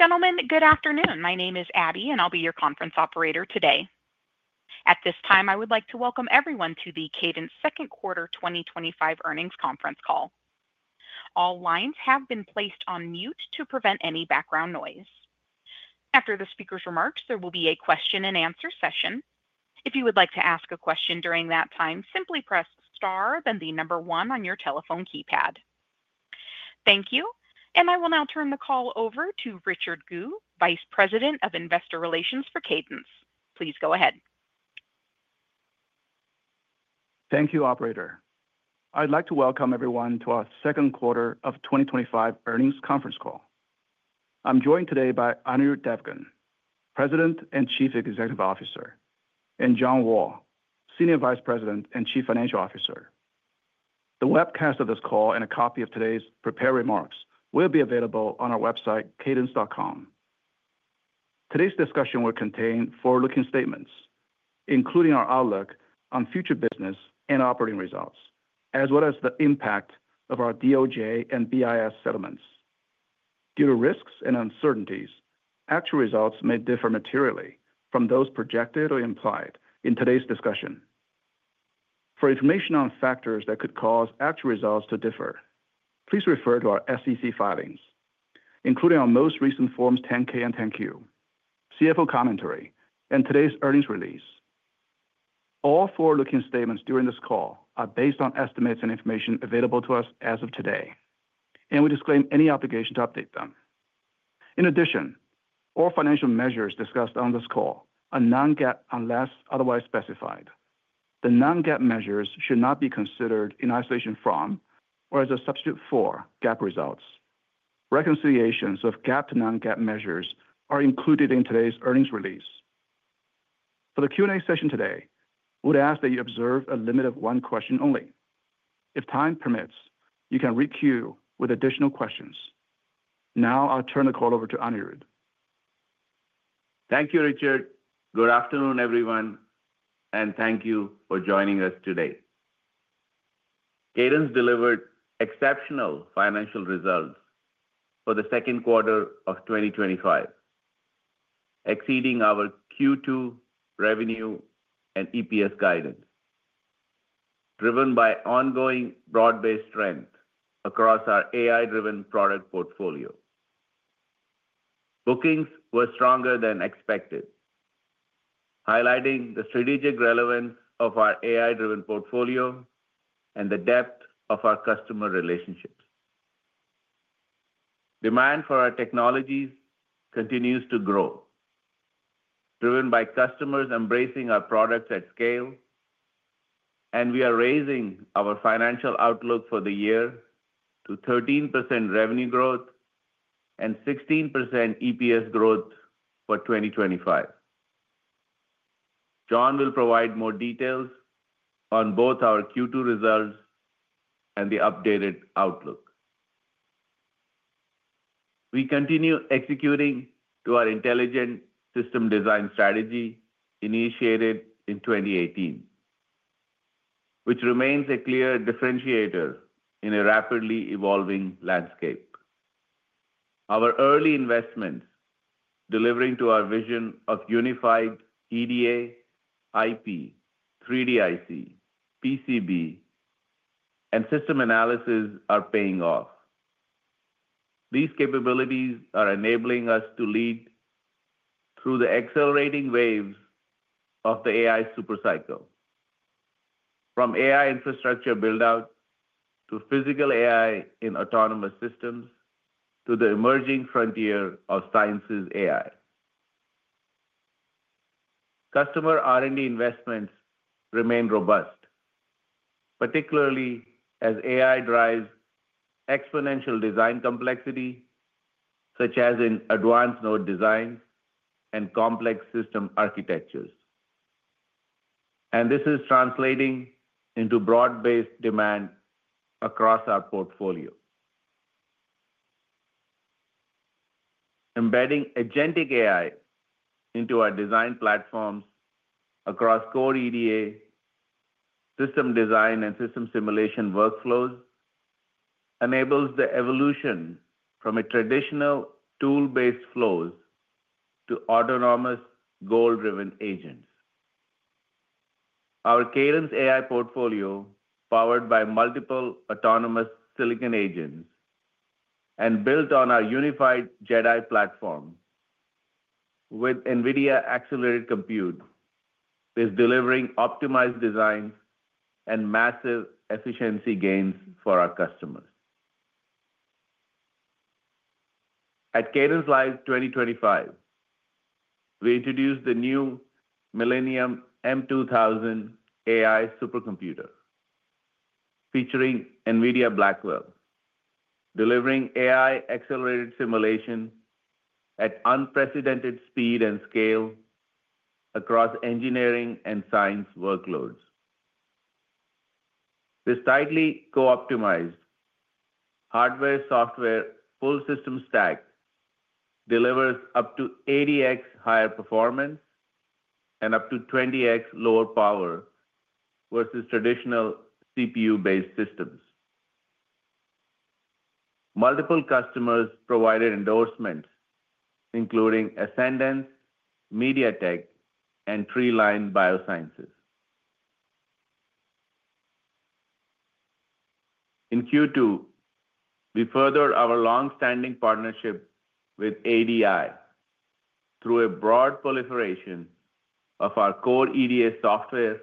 Ladies and gentlemen, good afternoon. My name is Abby, and I'll be your conference operator today. At this time, I would like to welcome everyone to the Cadence second quarter 2025 earnings conference call. All lines have been placed on mute to prevent any background noise. After the speaker's remarks, there will be a question-and-answer session. If you would like to ask a question during that time, simply press star, then the number one on your telephone keypad. Thank you, and I will now turn the call over to Richard Gu, Vice President of Investor Relations for Cadence. Please go ahead. Thank you, Operator. I'd like to welcome everyone to our second quarter of 2025 earnings conference call. I'm joined today by Anirudh Devgan, President and Chief Executive Officer, and John Wall, Senior Vice President and Chief Financial Officer. The webcast of this call and a copy of today's prepared remarks will be available on our website, cadence.com. Today's discussion will contain forward-looking statements, including our outlook on future business and operating results, as well as the impact of our DOJ and BIS settlements. Due to risks and uncertainties, actual results may differ materially from those projected or implied in today's discussion. For information on factors that could cause actual results to differ, please refer to our SEC filings, including our most recent Forms 10-K and 10-Q, CFO commentary, and today's earnings release. All forward-looking statements during this call are based on estimates and information available to us as of today, and we disclaim any obligation to update them. In addition, all financial measures discussed on this call are non-GAAP unless otherwise specified. The non-GAAP measures should not be considered in isolation from or as a substitute for GAAP results. Reconciliations of GAAP to non-GAAP measures are included in today's earnings release. For the Q&A session today, we would ask that you observe a limit of one question only. If time permits, you can re-queue with additional questions. Now, I'll turn the call over to Anirudh. Thank you, Richard. Good afternoon, everyone, and thank you for joining us today. Cadence delivered exceptional financial results for the second quarter of 2025, exceeding our Q2 revenue and EPS guidance, driven by ongoing broad-based strength across our AI-driven product portfolio. Bookings were stronger than expected, highlighting the strategic relevance of our AI-driven portfolio and the depth of our customer relationships. Demand for our technologies continues to grow, driven by customers embracing our products at scale, and we are raising our financial outlook for the year to 13% revenue growth and 16% EPS growth for 2025. John will provide more details on both our Q2 results and the updated outlook. We continue executing our intelligent system design strategy initiated in 2018, which remains a clear differentiator in a rapidly evolving landscape. Our early investments, delivering to our vision of unified EDA, IP, 3D-IC, PCB, and system analysis, are paying off. These capabilities are enabling us to lead through the accelerating waves of the AI Supercycle, from AI infrastructure build-out to Physical AI in autonomous systems to the emerging frontier of science's AI. Customer R&D investments remain robust, particularly as AI drives exponential design complexity, such as in advanced node design and complex system architectures. This is translating into broad-based demand across our portfolio. Embedding agentic AI into our design platforms across Core EDA, system design, and system simulation workflows enables the evolution from traditional tool-based flows to autonomous goal-driven agents. Our Cadence AI portfolio, powered by multiple autonomous silicon agents and built on our unified JedAI Platform with NVIDIA Accelerated Compute, is delivering optimized designs and massive efficiency gains for our customers. At CadenceLIVE 2025, we introduced the new Millennium M2000 AI Supercomputer featuring NVIDIA Blackwell, delivering AI-accelerated simulation at unprecedented speed and scale across engineering and science workloads. This tightly co-optimized hardware-software full system stack delivers up to 80x higher performance and up to 20x lower power versus traditional CPU-based systems. Multiple customers provided endorsements, including Ascendance, MediaTek, and Treeline Biosciences. In Q2, we furthered our longstanding partnership with ADI through a broad proliferation of our Core EDA software,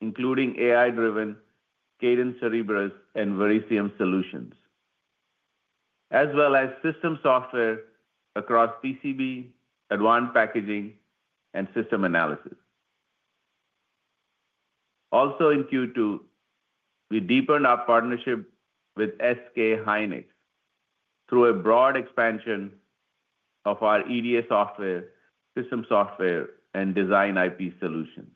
including AI-driven Cadence Cerebrus and Verisium solutions, as well as system software across PCB, advanced packaging, and system analysis. Also, in Q2, we deepened our partnership with SK hynix through a broad expansion of our EDA software, system software, and design IP solutions.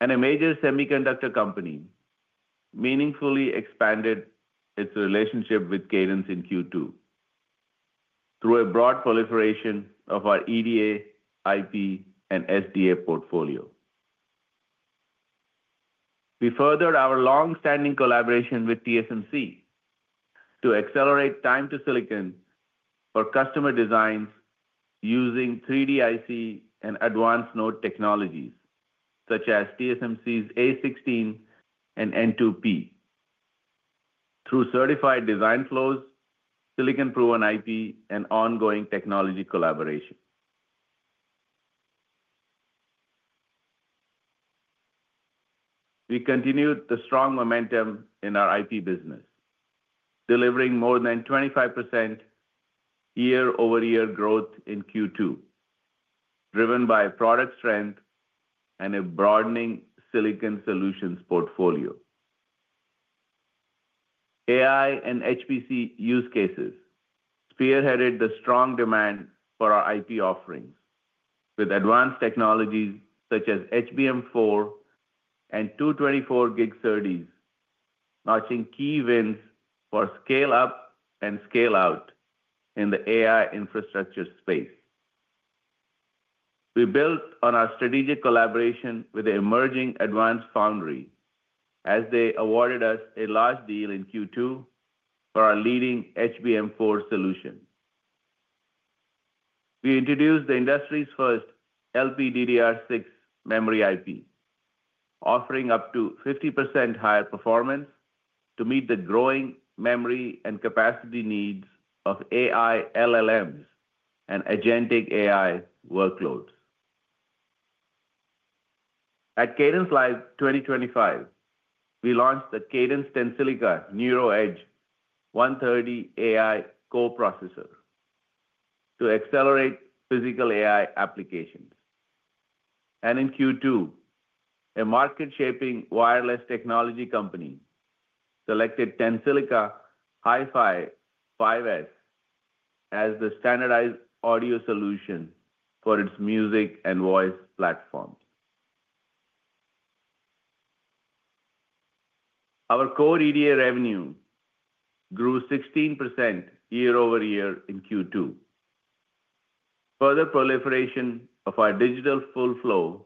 A major semiconductor company meaningfully expanded its relationship with Cadence in Q2 through a broad proliferation of our EDA, IP, and SDA portfolio. We furthered our longstanding collaboration with TSMC to accelerate time-to-silicon for customer designs using 3D-IC and advanced node technologies such as TSMC's A16 and N2P through certified design flows, silicon-proven IP, and ongoing technology collaboration. We continued the strong momentum in our IP business, delivering more than 25% year-over-year growth in Q2, driven by product strength and a broadening silicon solutions portfolio. AI and HPC use cases spearheaded the strong demand for our IP offerings with advanced technologies such as HBM4. 224G SerDes. Marching key wins for scale-up and scale-out in the AI infrastructure space. We built on our strategic collaboration with the emerging advanced foundry as they awarded us a large deal in Q2 for our leading HBM4 solution. We introduced the industry's first LPDDR6 memory IP, offering up to 50% higher performance to meet the growing memory and capacity needs of AI LLMs and agentic AI workloads. At CadenceLIVE 2025, we launched the Cadence Tensilica NeuroEdge 130 AI Co-Processor to accelerate Physical AI applications. In Q2, a market-shaping wireless technology company selected Tensilica HiFi 5S as the standardized audio solution for its music and voice platforms. Our Core EDA revenue grew 16% year-over-year in Q2. Further proliferation of our digital full flow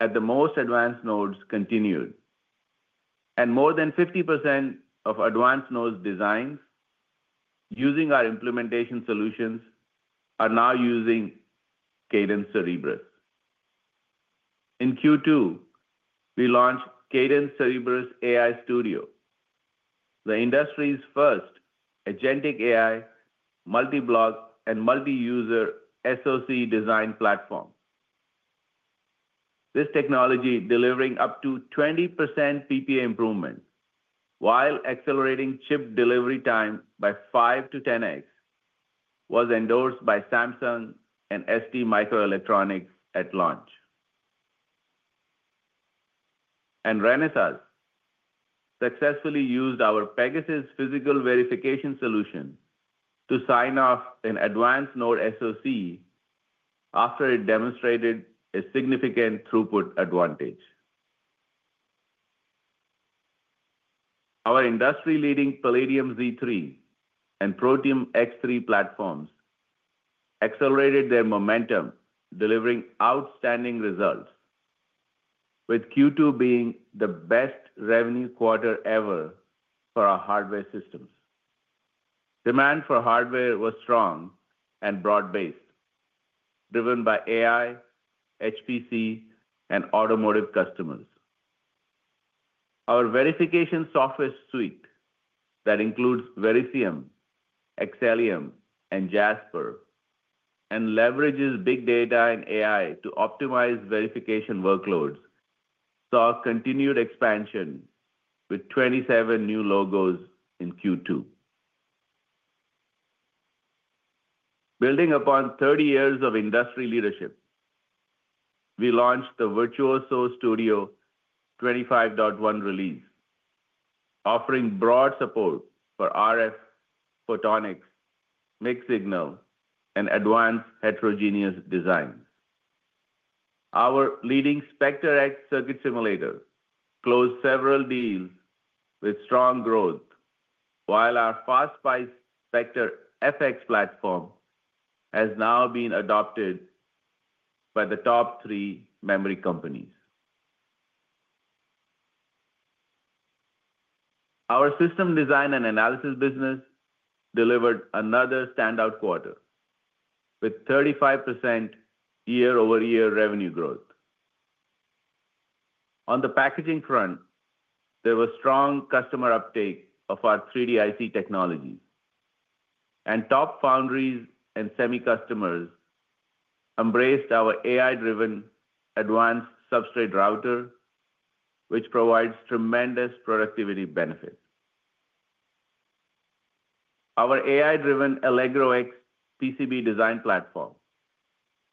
at the most advanced nodes continued, and more than 50% of advanced node designs using our implementation solutions are now using Cadence Cerebrus. In Q2, we launched Cadence Cerebrus AI Studio, the industry's first agentic AI multi-block and multi-user SoC design platform. This technology, delivering up to 20% PPA improvement while accelerating chip delivery time by 5x-10x, was endorsed by Samsung and STMicroelectronics at launch. Renesas successfully used our Pegasus physical verification solution to sign off an advanced node SoC after it demonstrated a significant throughput advantage. Our industry-leading Palladium Z3 and Protium X3 platforms accelerated their momentum, delivering outstanding results, with Q2 being the best revenue quarter ever for our hardware systems. Demand for hardware was strong and broad-based, driven by AI, HPC, and automotive customers. Our verification software suite that includes Verisium, Xcelium, and Jasper, and leverages big data and AI to optimize verification workloads, saw continued expansion with 27 new logos in Q2. Building upon 30 years of industry leadership, we launched the Virtuoso Studio IC25.1 release, offering broad support for RF, photonics, mixed signal, and advanced heterogeneous designs. Our leading Spectre X Circuit Simulator closed several deals with strong growth, while our FastSPICE Spectre FX platform has now been adopted by the top three memory companies. Our system design and analysis business delivered another standout quarter with 35% year-over-year revenue growth. On the packaging front, there was strong customer uptake of our 3D-IC technologies, and top foundries and semicustomers embraced our AI-driven advanced substrate router, which provides tremendous productivity benefits. Our AI-driven Allegro X PCB design platform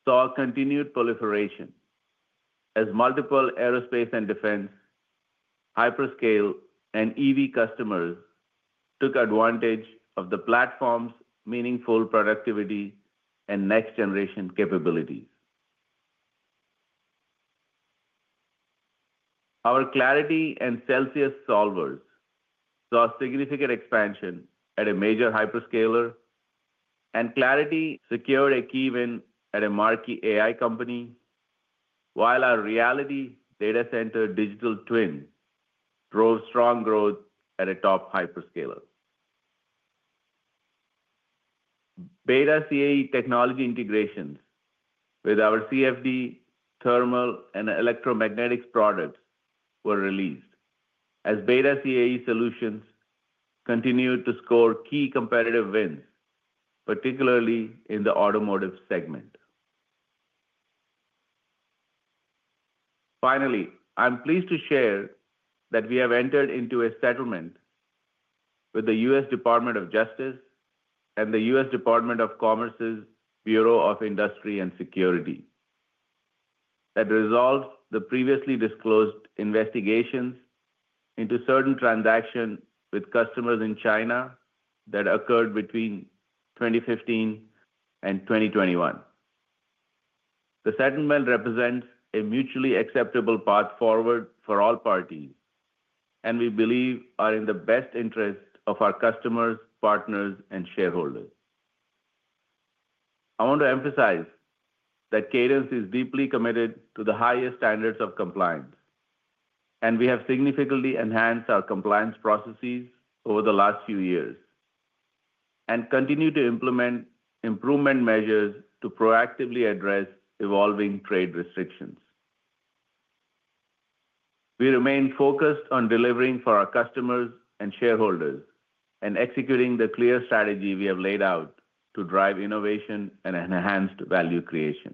saw continued proliferation as multiple aerospace and defense, hyperscale, and EV customers took advantage of the platform's meaningful productivity and next-generation capabilities. Our Clarity and Celsius Solvers saw significant expansion at a major hyperscaler, and Clarity secured a key win at a marquee AI company, while our Reality Data Center Digital Twin drove strong growth at a top hyperscaler. BETA CAE technology integrations with our CFD thermal and electromagnetic products were released as BETA CAE solutions continued to score key competitive wins, particularly in the automotive segment. Finally, I'm pleased to share that we have entered into a settlement. With the U.S. Department of Justice and the U.S. Department of Commerce’s Bureau of Industry and Security. That resolves the previously disclosed investigations into certain transactions with customers in China that occurred between 2015 and 2021. The settlement represents a mutually acceptable path forward for all parties, and we believe is in the best interest of our customers, partners, and shareholders. I want to emphasize that Cadence is deeply committed to the highest standards of compliance. We have significantly enhanced our compliance processes over the last few years and continue to implement improvement measures to proactively address evolving trade restrictions. We remain focused on delivering for our customers and shareholders and executing the clear strategy we have laid out to drive innovation and enhanced value creation.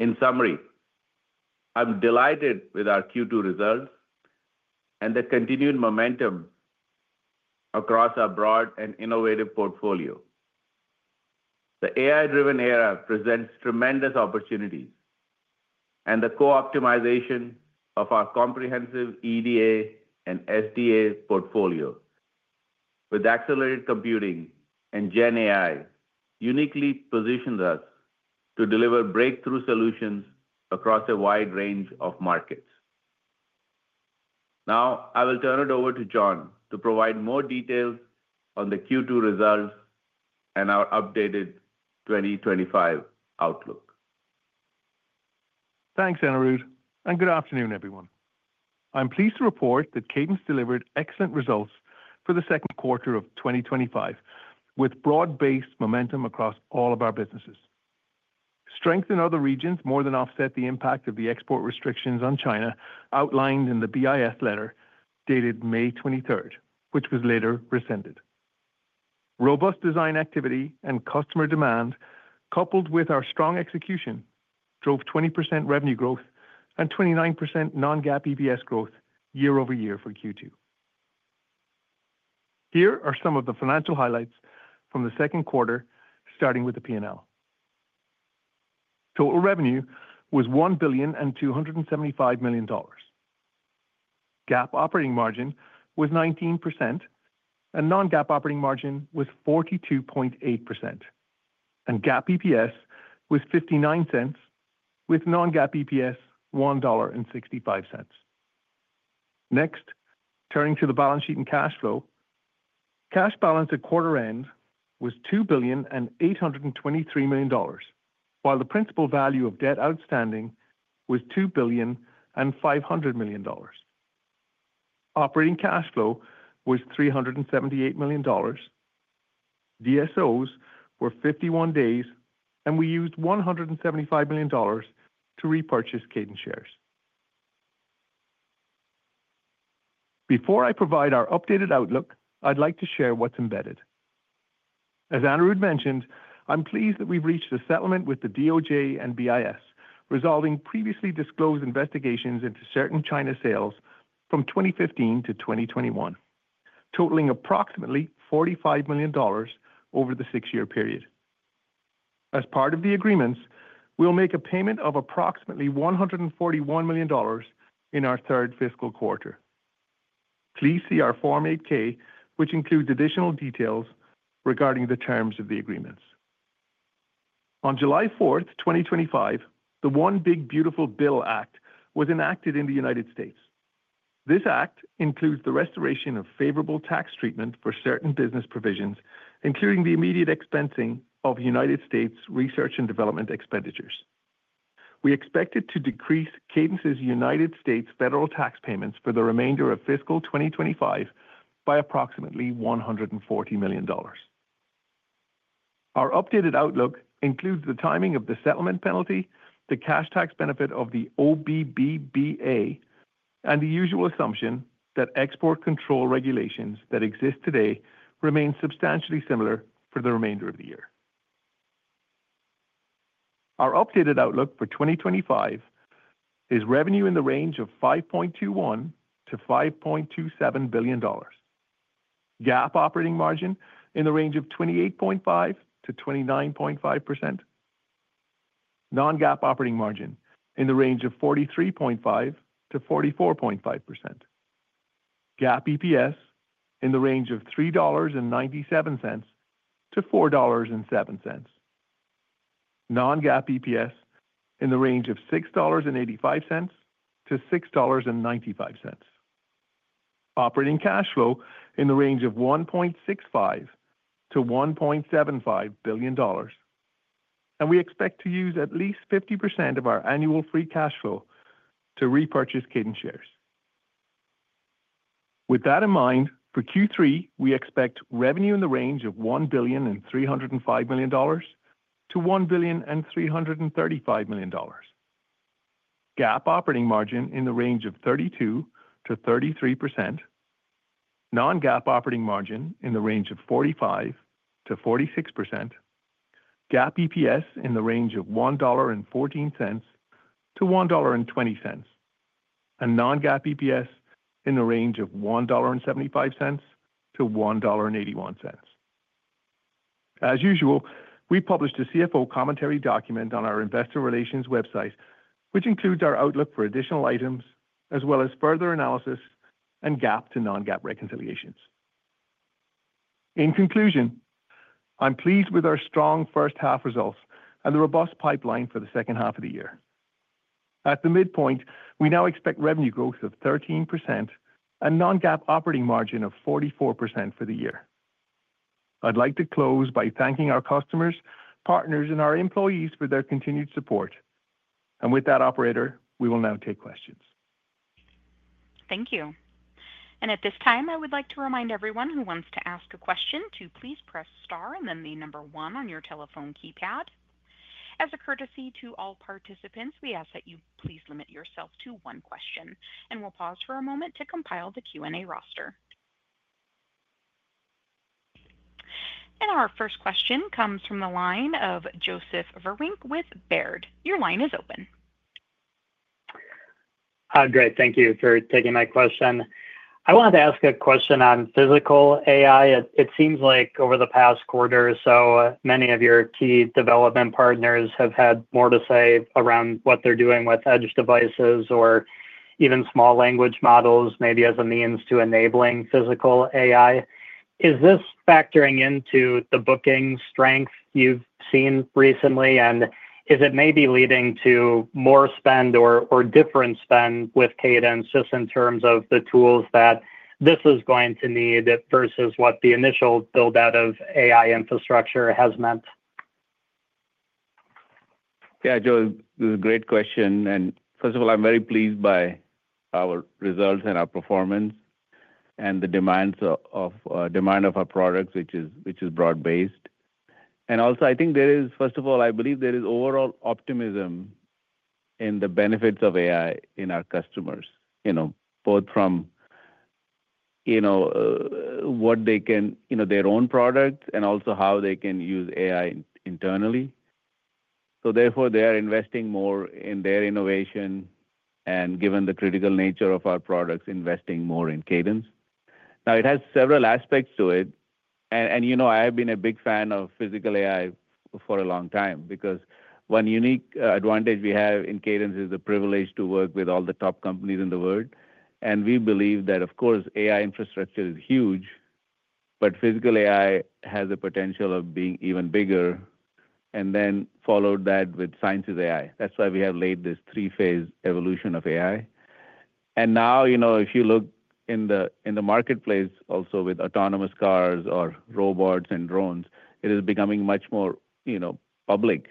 In summary, I'm delighted with our Q2 results and the continued momentum across our broad and innovative portfolio. The AI-driven era presents tremendous opportunities. The co-optimization of our comprehensive EDA and SDA portfolio with accelerated computing and GenAI uniquely positions us to deliver breakthrough solutions across a wide range of markets. Now, I will turn it over to John to provide more details on the Q2 results and our updated 2025 outlook. Thanks, Anirudh, and good afternoon, everyone. I'm pleased to report that Cadence delivered excellent results for the second quarter of 2025, with broad-based momentum across all of our businesses. Strength in other regions more than offset the impact of the export restrictions on China outlined in the BIS letter dated May 23, which was later rescinded. Robust design activity and customer demand, coupled with our strong execution, drove 20% revenue growth and 29% non-GAAP EPS growth year-over-year for Q2. Here are some of the financial highlights from the second quarter, starting with the P&L. Total revenue was $1,275,000,000. GAAP operating margin was 19%. Non-GAAP operating margin was 42.8%. GAAP EPS was $0.59, with non-GAAP EPS $1.65. Next, turning to the balance sheet and cash flow. Cash balance at quarter-end was $2,823,000,000, while the principal value of debt outstanding was $2,500,000,000. Operating cash flow was $378,000,000. DSOs were 51 days, and we used $175,000,000 to repurchase Cadence shares. Before I provide our updated outlook, I'd like to share what's embedded. As Anirudh mentioned, I'm pleased that we've reached a settlement with the DOJ and BIS, resolving previously disclosed investigations into certain China sales from 2015-2021, totaling approximately $45,000,000 over the six-year period. As part of the agreements, we'll make a payment of approximately $141,000,000 in our third fiscal quarter. Please see our Form 8-K, which includes additional details regarding the terms of the agreements. On July 4, 2025, the One Big Beautiful Bill Act was enacted in the United States. This act includes the restoration of favorable tax treatment for certain business provisions, including the immediate expensing of United States research and development expenditures. We expect it to decrease Cadence's United States federal tax payments for the remainder of fiscal 2025 by approximately $140,000,000. Our updated outlook includes the timing of the settlement penalty, the cash tax benefit of the OBBBA, and the usual assumption that export control regulations that exist today remain substantially similar for the remainder of the year. Our updated outlook for 2025 is revenue in the range of $5.21 billion-$5.27 billion. GAAP operating margin in the range of 28.5%-29.5%. Non-GAAP operating margin in the range of 43.5%-44.5%. GAAP EPS in the range of $3.97-$4.07. Non-GAAP EPS in the range of $6.85-$6.95. Operating cash flow in the range of $1.65 billion-$1.75 billion. We expect to use at least 50% of our annual free cash flow to repurchase Cadence shares. With that in mind, for Q3, we expect revenue in the range of $1,305,000,000-$1,335,000,000. GAAP operating margin in the range of 32%-33%. Non-GAAP operating margin in the range of 45%-46%. GAAP EPS in the range of $1.14-$1.20. Non-GAAP EPS in the range of $1.75-$1.81. As usual, we published a CFO commentary document on our investor relations website, which includes our outlook for additional items, as well as further analysis and GAAP to non-GAAP reconciliations. In conclusion, I'm pleased with our strong first-half results and the robust pipeline for the second half of the year. At the midpoint, we now expect revenue growth of 13% and non-GAAP operating margin of 44% for the year. I'd like to close by thanking our customers, partners, and our employees for their continued support. With that, Operator, we will now take questions. Thank you. At this time, I would like to remind everyone who wants to ask a question to please press star and then the number one on your telephone keypad. As a courtesy to all participants, we ask that you please limit yourself to one question, and we'll pause for a moment to compile the Q&A roster. Our first question comes from the line of Joseph Vruwink with Baird. Your line is open. Hi, [guys]. Thank you for taking my question. I wanted to ask a question on Physical AI. It seems like over the past quarter or so, many of your key development partners have had more to say around what they're doing with edge devices or even small language models, maybe as a means to enabling Physical AI. Is this factoring into the booking strength you've seen recently, and is it maybe leading to more spend or different spend with Cadence just in terms of the tools that this is going to need versus what the initial build-out of AI infrastructure has meant? Yeah, Joe, this is a great question. First of all, I'm very pleased by our results and our performance and the demand of our products, which is broad-based. I think there is, first of all, I believe there is overall optimism in the benefits of AI in our customers, both from. What they can, their own products, and also how they can use AI internally. Therefore, they are investing more in their innovation and, given the critical nature of our products, investing more in Cadence. Now, it has several aspects to it. I have been a big fan of Physical AI for a long time because one unique advantage we have in Cadence is the privilege to work with all the top companies in the world. We believe that, of course, AI infrastructure is huge, but Physical AI has the potential of being even bigger, and then followed that with science of AI. That is why we have laid this three-phase evolution of AI. Now, if you look in the marketplace, also with autonomous cars or robots and drones, it is becoming much more public.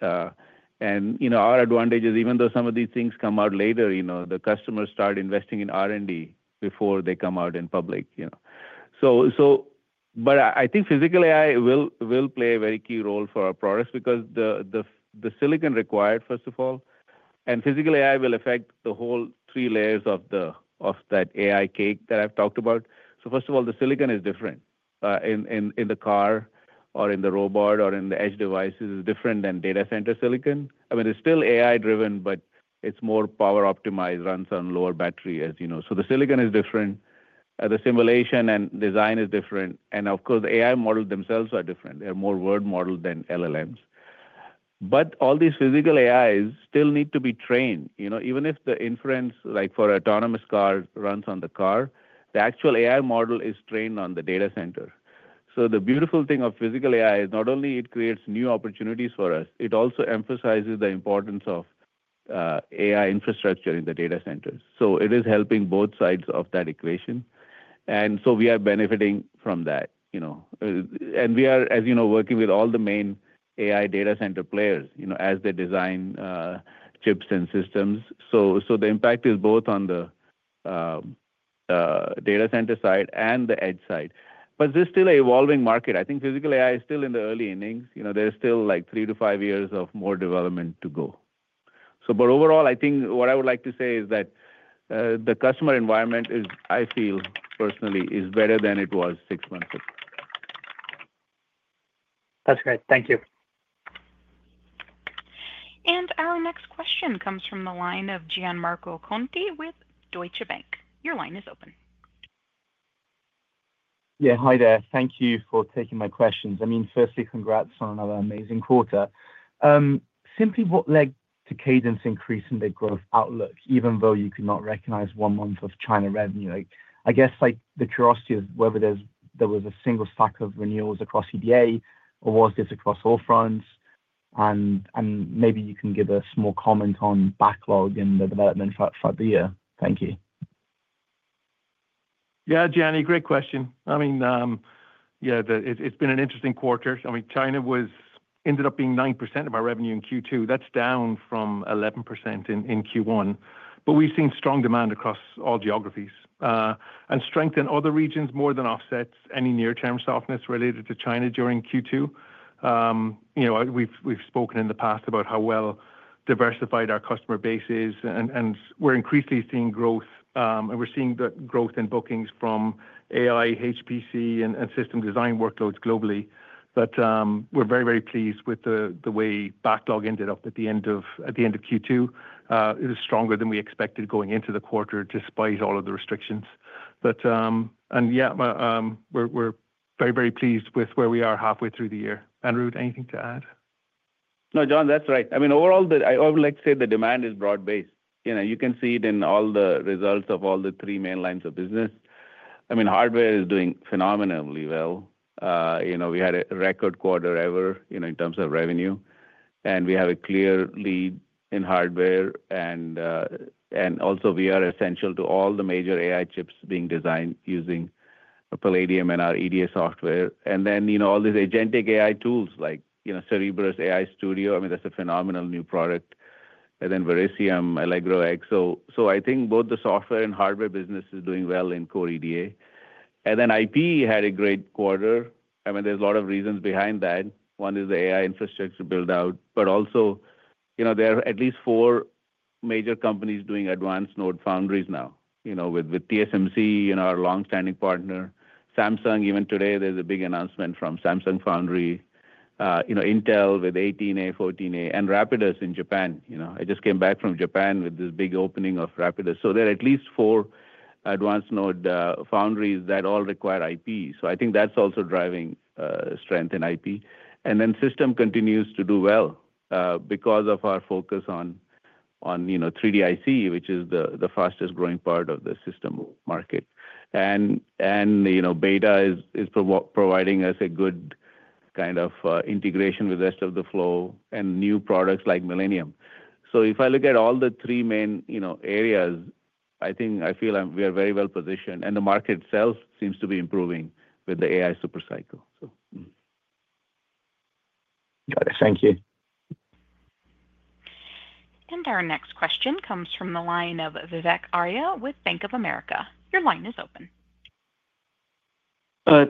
Our advantage is, even though some of these things come out later, the customers start investing in R&D before they come out in public. I think Physical AI will play a very key role for our products because the silicon required, first of all, and Physical AI will affect the whole three layers of that AI cake that I have talked about. First of all, the silicon is different. In the car or in the robot or in the edge devices, it is different than data center silicon. I mean, it is still AI-driven, but it is more power-optimized, runs on lower battery, as you know. The silicon is different. The simulation and design is different. Of course, the AI models themselves are different. They are more word models than LLMs. All these Physical AIs still need to be trained. Even if the inference, like for autonomous cars, runs on the car, the actual AI model is trained on the data center. The beautiful thing of Physical AI is not only it creates new opportunities for us, it also emphasizes the importance of AI infrastructure in the data centers. It is helping both sides of that equation. We are benefiting from that. We are, as you know, working with all the main AI data center players as they design chips and systems. The impact is both on the data center side and the edge side. This is still an evolving market. I think Physical AI is still in the early innings. There are still like 3 years-5 years of more development to go. Overall, I think what I would like to say is that the customer environment, I feel personally, is better than it was six months ago. That is great. Thank you. Our next question comes from the line of Gianmarco Conti with Deutsche Bank. Your line is open. Yeah, hi there. Thank you for taking my questions. I mean, firstly, congrats on another amazing quarter. Simply, what led to Cadence increase in their growth outlook, even though you could not recognize one month of China revenue? I guess the curiosity of whether there was a single stack of renewals across EDA or was this across all fronts? And maybe you can give a small comment on backlog and the development throughout the year. Thank you. Yeah, Gian, great question. I mean. Yeah, it's been an interesting quarter. I mean, China ended up being 9% of our revenue in Q2. That's down from 11% in Q1. But we've seen strong demand across all geographies and strength in other regions more than offsets any near-term softness related to China during Q2. We've spoken in the past about how well diversified our customer base is, and we're increasingly seeing growth. And we're seeing the growth in bookings from AI, HPC, and system design workloads globally. But we're very, very pleased with the way backlog ended up at the end of Q2. It was stronger than we expected going into the quarter, despite all of the restrictions. And yeah. We're very, very pleased with where we are halfway through the year. Anirudh, anything to add? No, John, that's right. I mean, overall, I would like to say the demand is broad-based. You can see it in all the results of all the three main lines of business. I mean, hardware is doing phenomenally well. We had a record quarter ever in terms of revenue. And we have a clear lead in hardware. Also, we are essential to all the major AI chips being designed using Palladium and our EDA software. And then all these agentic AI tools like Cerebrus AI Studio, I mean, that's a phenomenal new product. And then Verisium, Allegro X. I think both the software and hardware business is doing well in Core EDA. And then IP had a great quarter. I mean, there's a lot of reasons behind that. One is the AI infrastructure build-out, but also. There are at least four major companies doing advanced node foundries now, with TSMC, our long-standing partner, Samsung. Even today, there's a big announcement from Samsung Foundry. Intel with 18A, 14A, and Rapidus in Japan. I just came back from Japan with this big opening of Rapidus. So there are at least four advanced node foundries that all require IP. I think that's also driving strength in IP. And then system continues to do well because of our focus on 3D-IC, which is the fastest-growing part of the system market. BETA is providing us a good kind of integration with the rest of the flow and new products like Millennium. If I look at all the three main areas, I think I feel we are very well positioned. The market itself seems to be improving with the AI Supercycle. Got it. Thank you. And our next question comes from the line of Vivek Arya with Bank of America. Your line is open.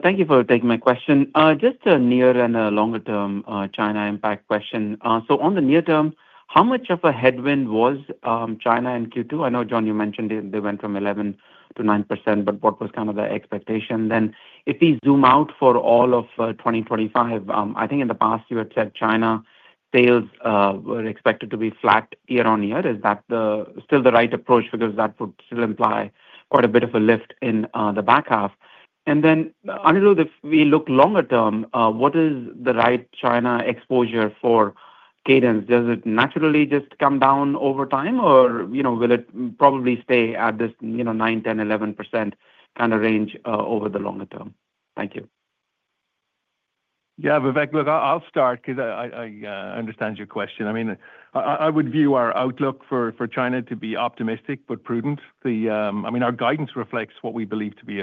Thank you for taking my question. Just a near and a longer-term China impact question. On the near term, how much of a headwind was China in Q2? I know, John, you mentioned they went from 11%-9%, but what was kind of the expectation then? If we zoom out for all of 2025, I think in the past, you had said China sales were expected to be flat year on year. Is that still the right approach? That would still imply quite a bit of a lift in the back half. Anirudh, if we look longer-term, what is the right China exposure for Cadence? Does it naturally just come down over time, or will it probably stay at this 9%-11% kind of range over the longer term? Thank you. Yeah, Vivek, look, I'll start because I understand your question. I would view our outlook for China to be optimistic but prudent. Our guidance reflects what we believe to be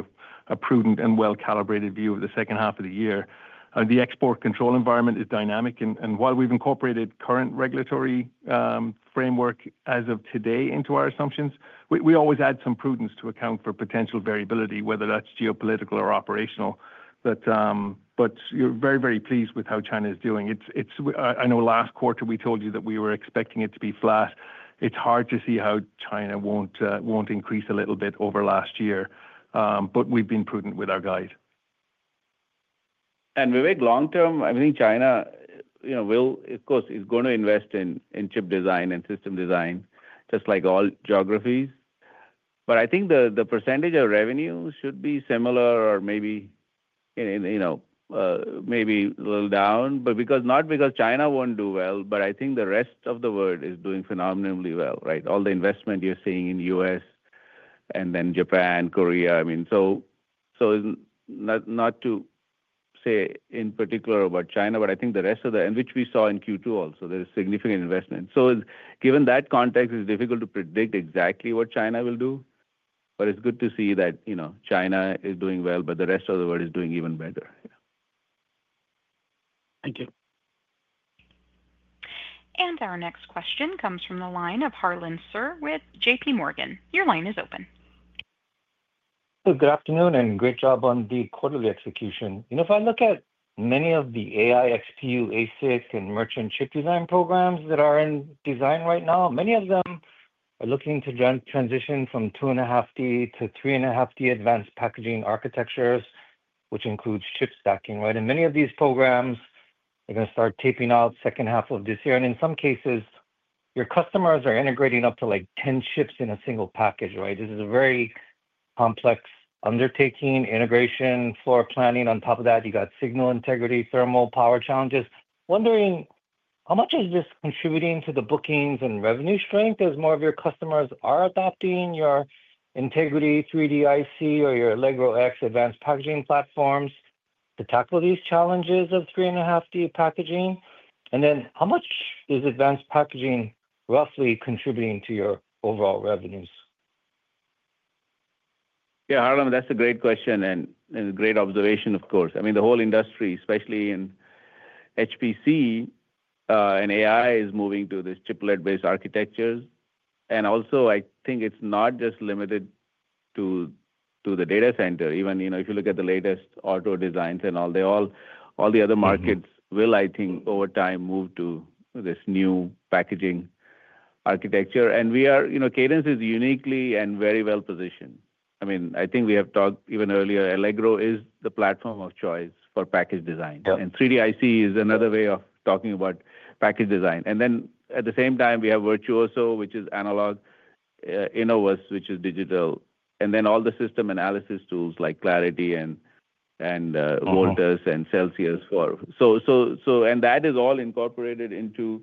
a prudent and well-calibrated view of the second half of the year. The export control environment is dynamic. While we've incorporated current regulatory framework as of today into our assumptions, we always add some prudence to account for potential variability, whether that's geopolitical or operational. You're very, very pleased with how China is doing. I know last quarter, we told you that we were expecting it to be flat. It's hard to see how China won't increase a little bit over last year. We've been prudent with our guide. Vivek, long-term, I think China will, of course, invest in chip design and system design, just like all geographies. I think the percentage of revenue should be similar or maybe a little down, but not because China won't do well, but because the rest of the world is doing phenomenally well, right? All the investment you're seeing in the U.S. and then Japan, Korea. Not to say in particular about China, but I think the rest of the, and which we saw in Q2 also, there is significant investment. Given that context, it's difficult to predict exactly what China will do. It's good to see that China is doing well, but the rest of the world is doing even better. Thank you. Our next question comes from the line of Harlan Sur with JPMorgan. Your line is open. Good afternoon and great job on the quarterly execution. If I look at many of the AI, XPU, ASIC, and merchant chip design programs that are in design right now, many of them are looking to transition from 2.5D-3.5D advanced packaging architectures, which includes chip stacking, right? Many of these programs are going to start taping out second half of this year. In some cases, your customers are integrating up to 10 chips in a single package, right? This is a very complex undertaking, integration, floor planning. On top of that, you got signal integrity, thermal power challenges. Wondering how much is this contributing to the bookings and revenue strength as more of your customers are adopting your Integrity 3D-IC or your Allegro X advanced packaging platforms to tackle these challenges of 3.5D packaging? And then how much is advanced packaging roughly contributing to your overall revenues? Yeah, Harlan, that's a great question and a great observation, of course. I mean, the whole industry, especially in HPC and AI, is moving to these chiplet-based architectures. Also, I think it's not just limited to the data center. Even if you look at the latest auto designs and all, all the other markets will, I think, over time move to this new packaging architecture. Cadence is uniquely and very well positioned. I mean, I think we have talked even earlier, Allegro is the platform of choice for package design. 3D-IC is another way of talking about package design. At the same time, we have Virtuoso, which is analog, Innovus, which is digital, and then all the system analysis tools like Clarity and Voltus and Celsius. That is all incorporated into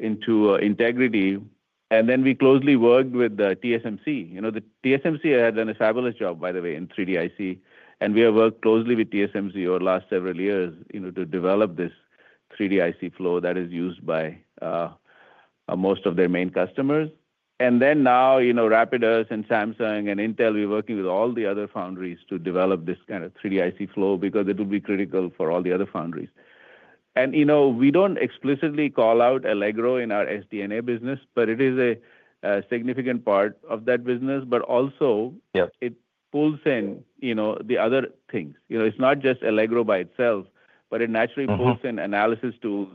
Integrity. We closely worked with TSMC. TSMC has done a fabulous job, by the way, in 3D-IC. We have worked closely with TSMC over the last several years to develop this 3D-IC flow that is used by most of their main customers. Now, Rapidus and Samsung and Intel, we're working with all the other foundries to develop this kind of 3D-IC flow because it will be critical for all the other foundries. We don't explicitly call out Allegro in our SDA business, but it is a significant part of that business. Also, it pulls in the other things. It's not just Allegro by itself, but it naturally pulls in analysis tools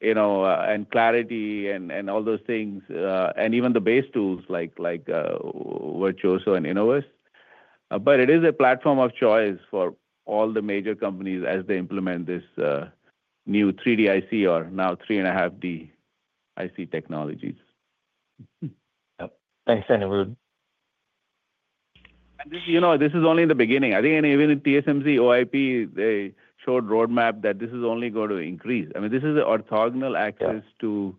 and Clarity and all those things, and even the base tools like Virtuoso and Innovus. It is a platform of choice for all the major companies as they implement this new 3D-IC or now 3.5D-IC technologies. Thanks, Anirudh. This is only the beginning. I think even TSMC, OIP, they showed roadmap that this is only going to increase. I mean, this is the orthogonal access to,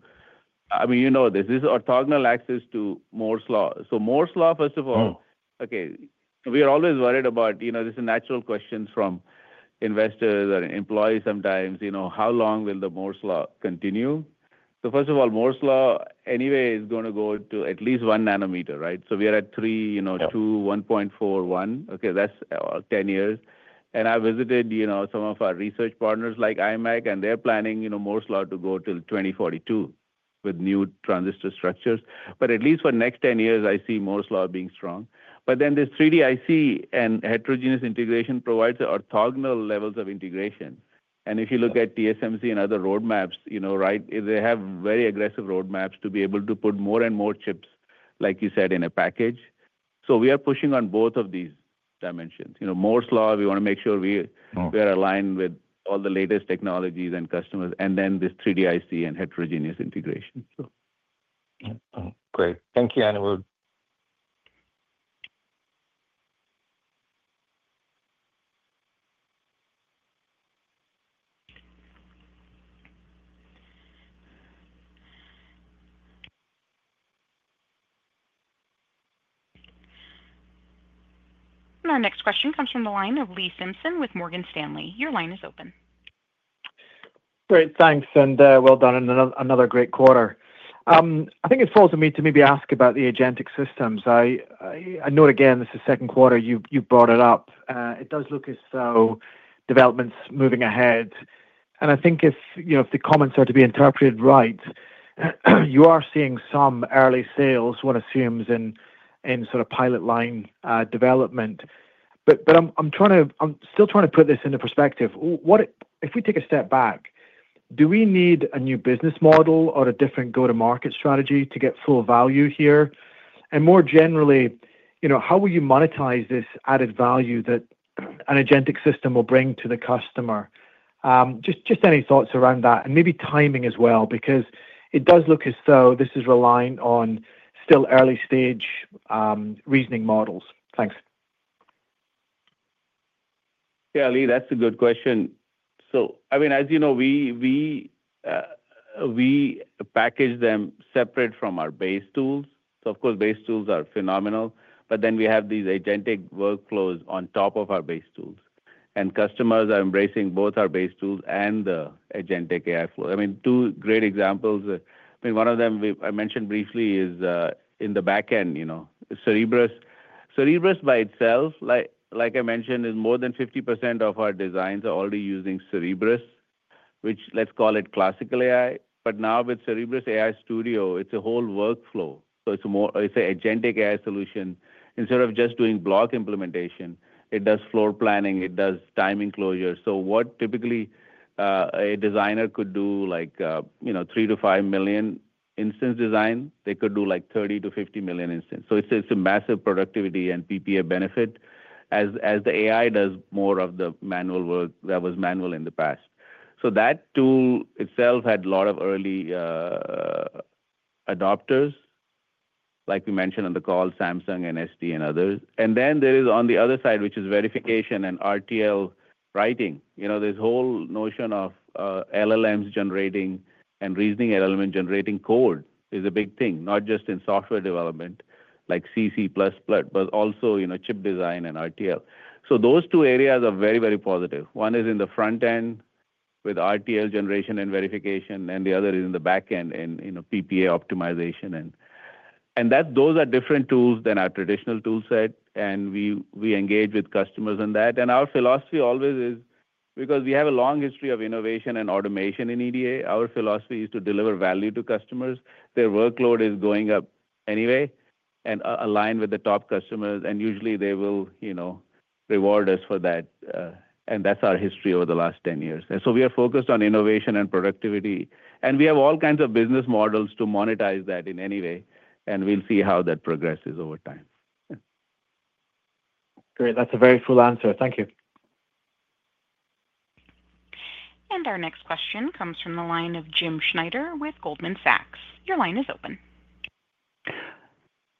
I mean, this is orthogonal access to Moore's Law. Moore's Law, first of all, okay, we are always worried about this is a natural question from investors or employees sometimes. How long will the Moore's Law continue? First of all, Moore's Law anyway is going to go to at least 1 nm, right? We are at 3 nm, 2 nm, 1.4 nm, 1 nm. Okay, that's 10 years. I visited some of our research partners like IMEC, and they're planning Moore's Law to go to 2042 with new transistor structures. But at least for the next 10 years, I see Moore's Law being strong. This 3D-IC and heterogeneous integration provides orthogonal levels of integration. If you look at TSMC and other roadmaps, they have very aggressive roadmaps to be able to put more and more chips, like you said, in a package. We are pushing on both of these dimensions. Moore's Law, we want to make sure we are aligned with all the latest technologies and customers, and then this 3D-IC and heterogeneous integration. Great. Thank you, Anirudh. Our next question comes from the line of Lee Simpson with Morgan Stanley. Your line is open. Great. Thanks. Well done. Another great quarter. I think it falls on me to maybe ask about the agentic systems. I note again, this is the second quarter you brought it up. It does look as though development's moving ahead. I think if the comments are to be interpreted right, you are seeing some early sales, one assumes, in sort of pilot line development. I'm still trying to put this into perspective. If we take a step back, do we need a new business model or a different go-to-market strategy to get full value here? More generally, how will you monetize this added value that an agentic system will bring to the customer? Just any thoughts around that. Maybe timing as well, because it does look as though this is reliant on still early-stage reasoning models. Thanks. Yeah, Lee, that's a good question. As you know, we package them separate from our base tools. Of course, base tools are phenomenal. We have these agentic workflows on top of our base tools. Customers are embracing both our base tools and the agentic AI flow. Two great examples. One of them I mentioned briefly is in the back end. CerebrUs. By itself, like I mentioned, more than 50% of our designs are already using Cerebrus, which let's call it classical AI. Now with Cerebrus AI Studio, it's a whole workflow. It's an agentic AI solution. Instead of just doing block implementation, it does floor planning. It does timing closure. What typically a designer could do, like 3 million-5 million instance design, they could do like 30 million-50 million instance. It's a massive productivity and PPA benefit as the AI does more of the manual work that was manual in the past. That tool itself had a lot of early adopters, like we mentioned on the call, Samsung and ST and others. Then there is, on the other side, which is verification and RTL writing. This whole notion of LLMs generating and reasoning LLMs generating code is a big thing, not just in software development like CC++, but also chip design and RTL. Those two areas are very, very positive. One is in the front end with RTL generation and verification, and the other is in the back end in PPA optimization. Those are different tools than our traditional toolset. We engage with customers in that. Our philosophy always is, because we have a long history of innovation and automation in EDA, our philosophy is to deliver value to customers. Their workload is going up anyway and aligned with the top customers. Usually, they will reward us for that. That's our history over the last 10 years. We are focused on innovation and productivity. We have all kinds of business models to monetize that in any way. We'll see how that progresses over time. Great. That's a very full answer. Thank you. Our next question comes from the line of Jim Schneider with Goldman Sachs. Your line is open.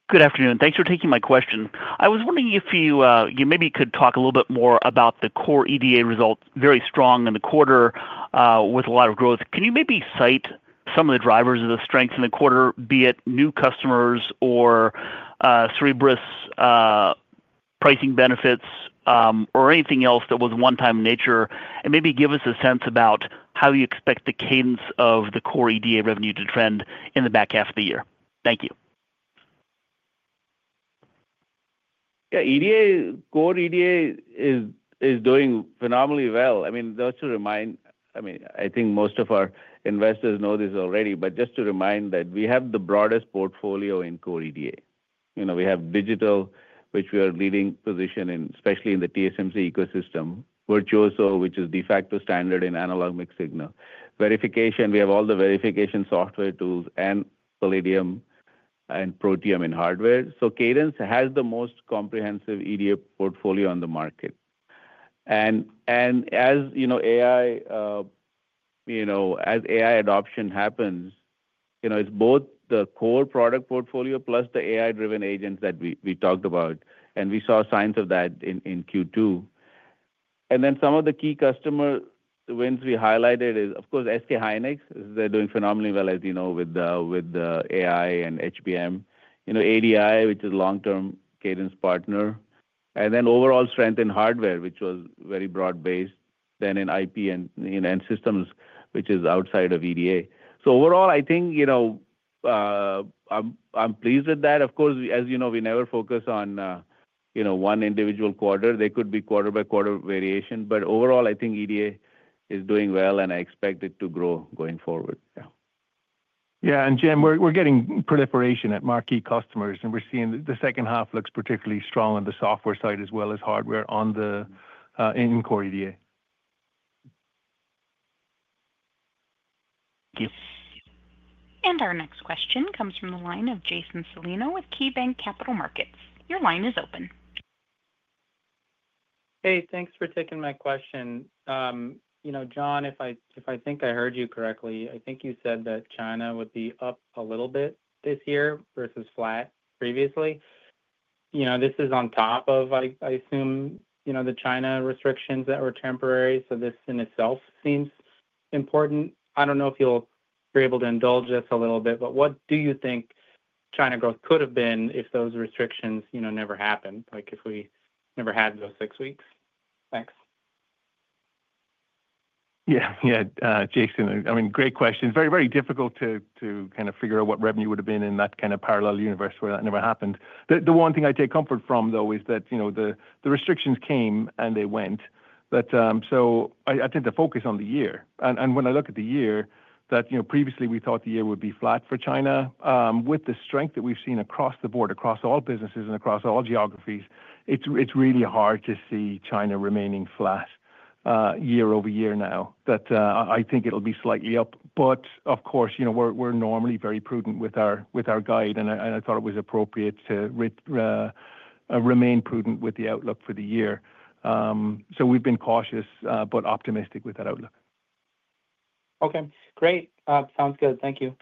Good afternoon. Thanks for taking my question. I was wondering if you maybe could talk a little bit more about the Core EDA results, very strong in the quarter with a lot of growth. Can you maybe cite some of the drivers of the strengths in the quarter, be it new customers or Cadence Cerebrus, pricing benefits, or anything else that was one-time in nature, and maybe give us a sense about how you expect the cadence of the Core EDA revenue to trend in the back half of the year? Thank you. Yeah. Core EDA is doing phenomenally well. I mean, just to remind, I mean, I think most of our investors know this already, but just to remind that we have the broadest portfolio in Core EDA. We have digital, which we are leading position in, especially in the TSMC ecosystem, Virtuoso, which is de facto standard in analog mix signal. Verification, we have all the verification software tools and Palladium and Protium in hardware. Cadence has the most comprehensive EDA portfolio on the market. As AI adoption happens, it's both the core product portfolio plus the AI-driven agents that we talked about. We saw signs of that in Q2. Some of the key customer wins we highlighted is, of course, SK hynix. They're doing phenomenally well, as you know, with the AI and HBM. ADI, which is a long-term Cadence partner. Then overall strength in hardware, which was very broad-based, then in IP and systems, which is outside of EDA. Overall, I think I'm pleased with that. Of course, as you know, we never focus on one individual quarter. There could be quarter-by-quarter variation. Overall, I think EDA is doing well, and I expect it to grow going forward. Yeah. Yeah. Jim, we're getting proliferation at marquee customers, and we're seeing the second half looks particularly strong on the software side as well as hardware in Core EDA. Thank you. Our next question comes from the line of Jason Celino with KeyBank Capital Markets. Your line is open. Hey, thanks for taking my question. John, if I think I heard you correctly, I think you said that China would be up a little bit this year versus flat previously. This is on top of, I assume, the China restrictions that were temporary. This in itself seems important. I don't know if you'll be able to indulge us a little bit, but what do you think China growth could have been if those restrictions never happened, like if we never had those six weeks? Thanks. Yeah. Yeah, Jason. I mean, great question. Very, very difficult to kind of figure out what revenue would have been in that kind of parallel universe where that never happened. The one thing I take comfort from, though, is that the restrictions came and they went. I tend to focus on the year. When I look at the year, previously, we thought the year would be flat for China. With the strength that we've seen across the board, across all businesses and across all geographies, it's really hard to see China remaining flat year over year now. I think it'll be slightly up. Of course, we're normally very prudent with our guide, and I thought it was appropriate to remain prudent with the outlook for the year. We've been cautious but optimistic with that outlook. Okay. Great. Sounds good. Thank you.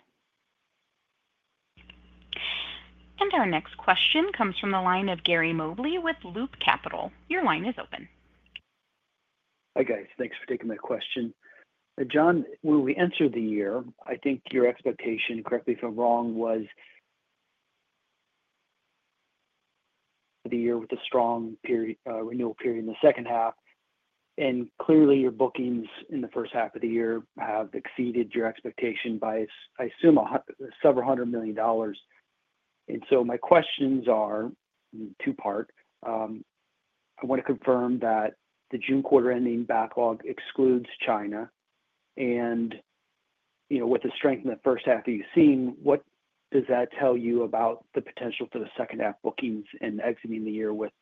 Our next question comes from the line of Gary Mobley with Loop Capital. Your line is open. Hi, guys. Thanks for taking my question. John, when we entered the year, I think your expectation, correct me if I'm wrong, was the year with a strong renewal period in the second half. Clearly, your bookings in the first half of the year have exceeded your expectation by, I assume, several hundred million dollars. My questions are two-part. I want to confirm that the June quarter ending backlog excludes China. With the strength in the first half that you've seen, what does that tell you about the potential for the second-half bookings and exiting the year with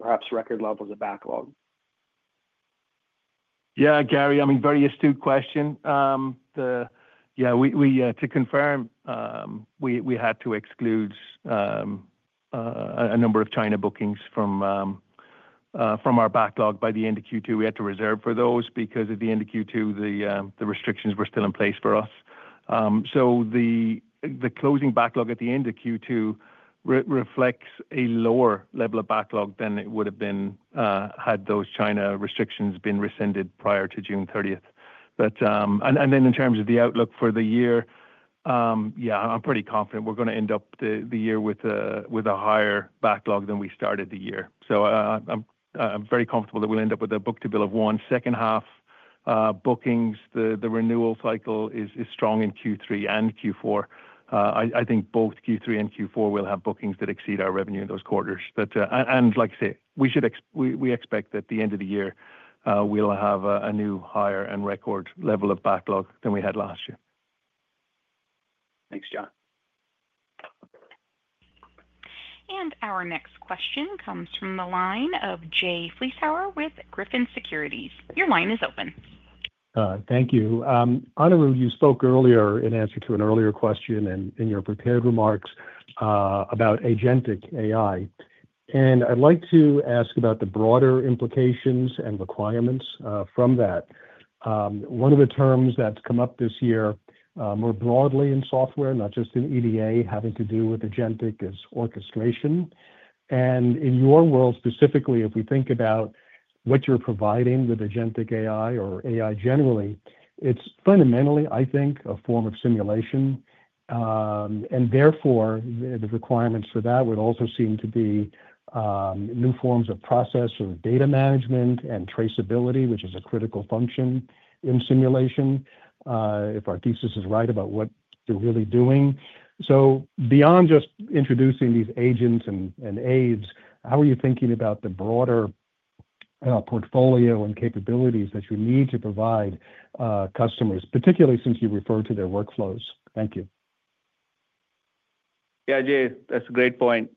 perhaps record levels of backlog? Yeah, Gary, I mean, very astute question. To confirm, we had to exclude a number of China bookings from our backlog by the end of Q2. We had to reserve for those because at the end of Q2, the restrictions were still in place for us. The closing backlog at the end of Q2 reflects a lower level of backlog than it would have been had those China restrictions been rescinded prior to June 30. In terms of the outlook for the year, I'm pretty confident we're going to end up the year with a higher backlog than we started the year. I'm very comfortable that we'll end up with a book-to-bill of one, second-half bookings. The renewal cycle is strong in Q3 and Q4. I think both Q3 and Q4 will have bookings that exceed our revenue in those quarters. Like I say, we expect that at the end of the year we'll have a new higher and record level of backlog than we had last year. Thanks, John. Our next question comes from the line of Jay Vleeschhouwer with Griffin Securities. Your line is open. Thank you. Anirudh, you spoke earlier in answer to an earlier question in your prepared remarks about agentic AI. I'd like to ask about the broader implications and requirements from that. One of the terms that's come up this year more broadly in software, not just in EDA, having to do with agentic is orchestration. In your world, specifically, if we think about what you're providing with agentic AI or AI generally, it's fundamentally, I think, a form of simulation. Therefore, the requirements for that would also seem to be new forms of process or data management and traceability, which is a critical function in simulation, if our thesis is right about what you're really doing. Beyond just introducing these agents and aides, how are you thinking about the broader portfolio and capabilities that you need to provide customers, particularly since you refer to their workflows? Thank you. Yeah, Jay, that's a great point.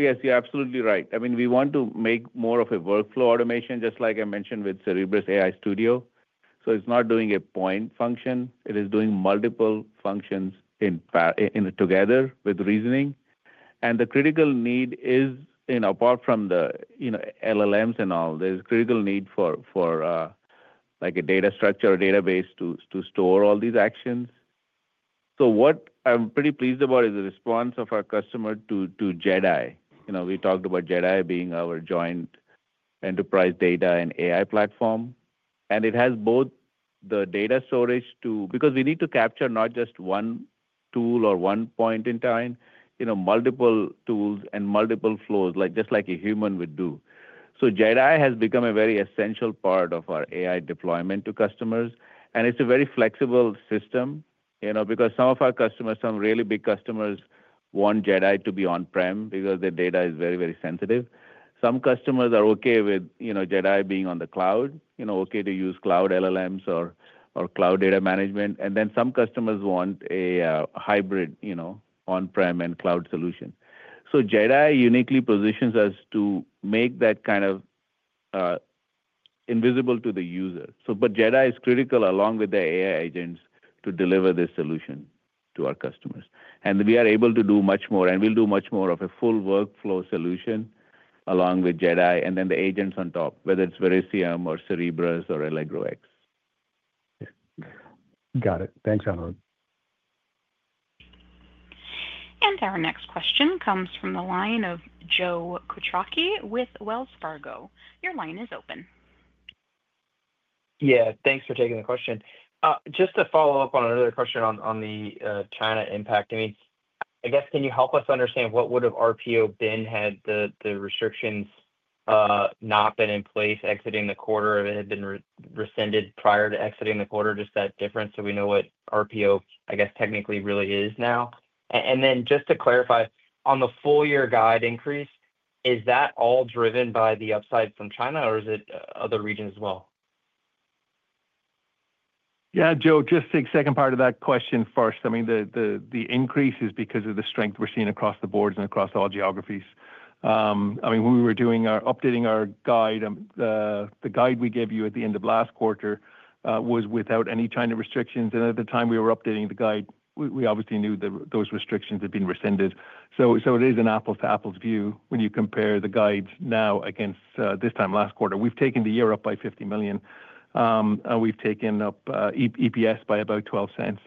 Yes, you're absolutely right. I mean, we want to make more of a workflow automation, just like I mentioned with Cerebrus AI Studio. It's not doing a point function. It is doing multiple functions together with reasoning. The critical need is, apart from the LLMs and all, there's a critical need for a data structure or database to store all these actions. What I'm pretty pleased about is the response of our customer to JedAI. We talked about JedAI being our joint enterprise data and AI platform. It has both the data storage because we need to capture not just one tool or one point in time, multiple tools and multiple flows, just like a human would do. JedAI has become a very essential part of our AI deployment to customers. It's a very flexible system because some of our customers, some really big customers, want JedAI to be on-prem because their data is very, very sensitive. Some customers are okay with JedAI being on the cloud, okay to use cloud LLMs or cloud data management. Then some customers want a hybrid on-prem and cloud solution. JedAI uniquely positions us to make that kind of invisible to the user. JedAI is critical along with the AI agents to deliver this solution to our customers. We are able to do much more, and we'll do much more of a full workflow solution along with JedAI and then the agents on top, whether it's Verisium or Cerebrus or Allegro X. Got it. Thanks, Anirudh. Our next question comes from the line of Joe Quattrocchi with Wells Fargo. Your line is open. Yeah. Thanks for taking the question. Just to follow up on another question on the China impact, I mean, I guess, can you help us understand what would have RPO been had the restrictions not been in place exiting the quarter, if it had been rescinded prior to exiting the quarter, just that difference so we know what RPO, I guess, technically really is now? And then just to clarify, on the full-year guide increase, is that all driven by the upside from China, or is it other regions as well? Yeah, Joe, just take the second part of that question first. I mean, the increase is because of the strength we're seeing across the boards and across all geographies. I mean, when we were updating our guide, the guide we gave you at the end of last quarter was without any China restrictions. At the time we were updating the guide, we obviously knew that those restrictions had been rescinded. It is an apples-to-apples view when you compare the guides now against this time last quarter. We've taken the year up by $50 million. We've taken up EPS by about $0.12.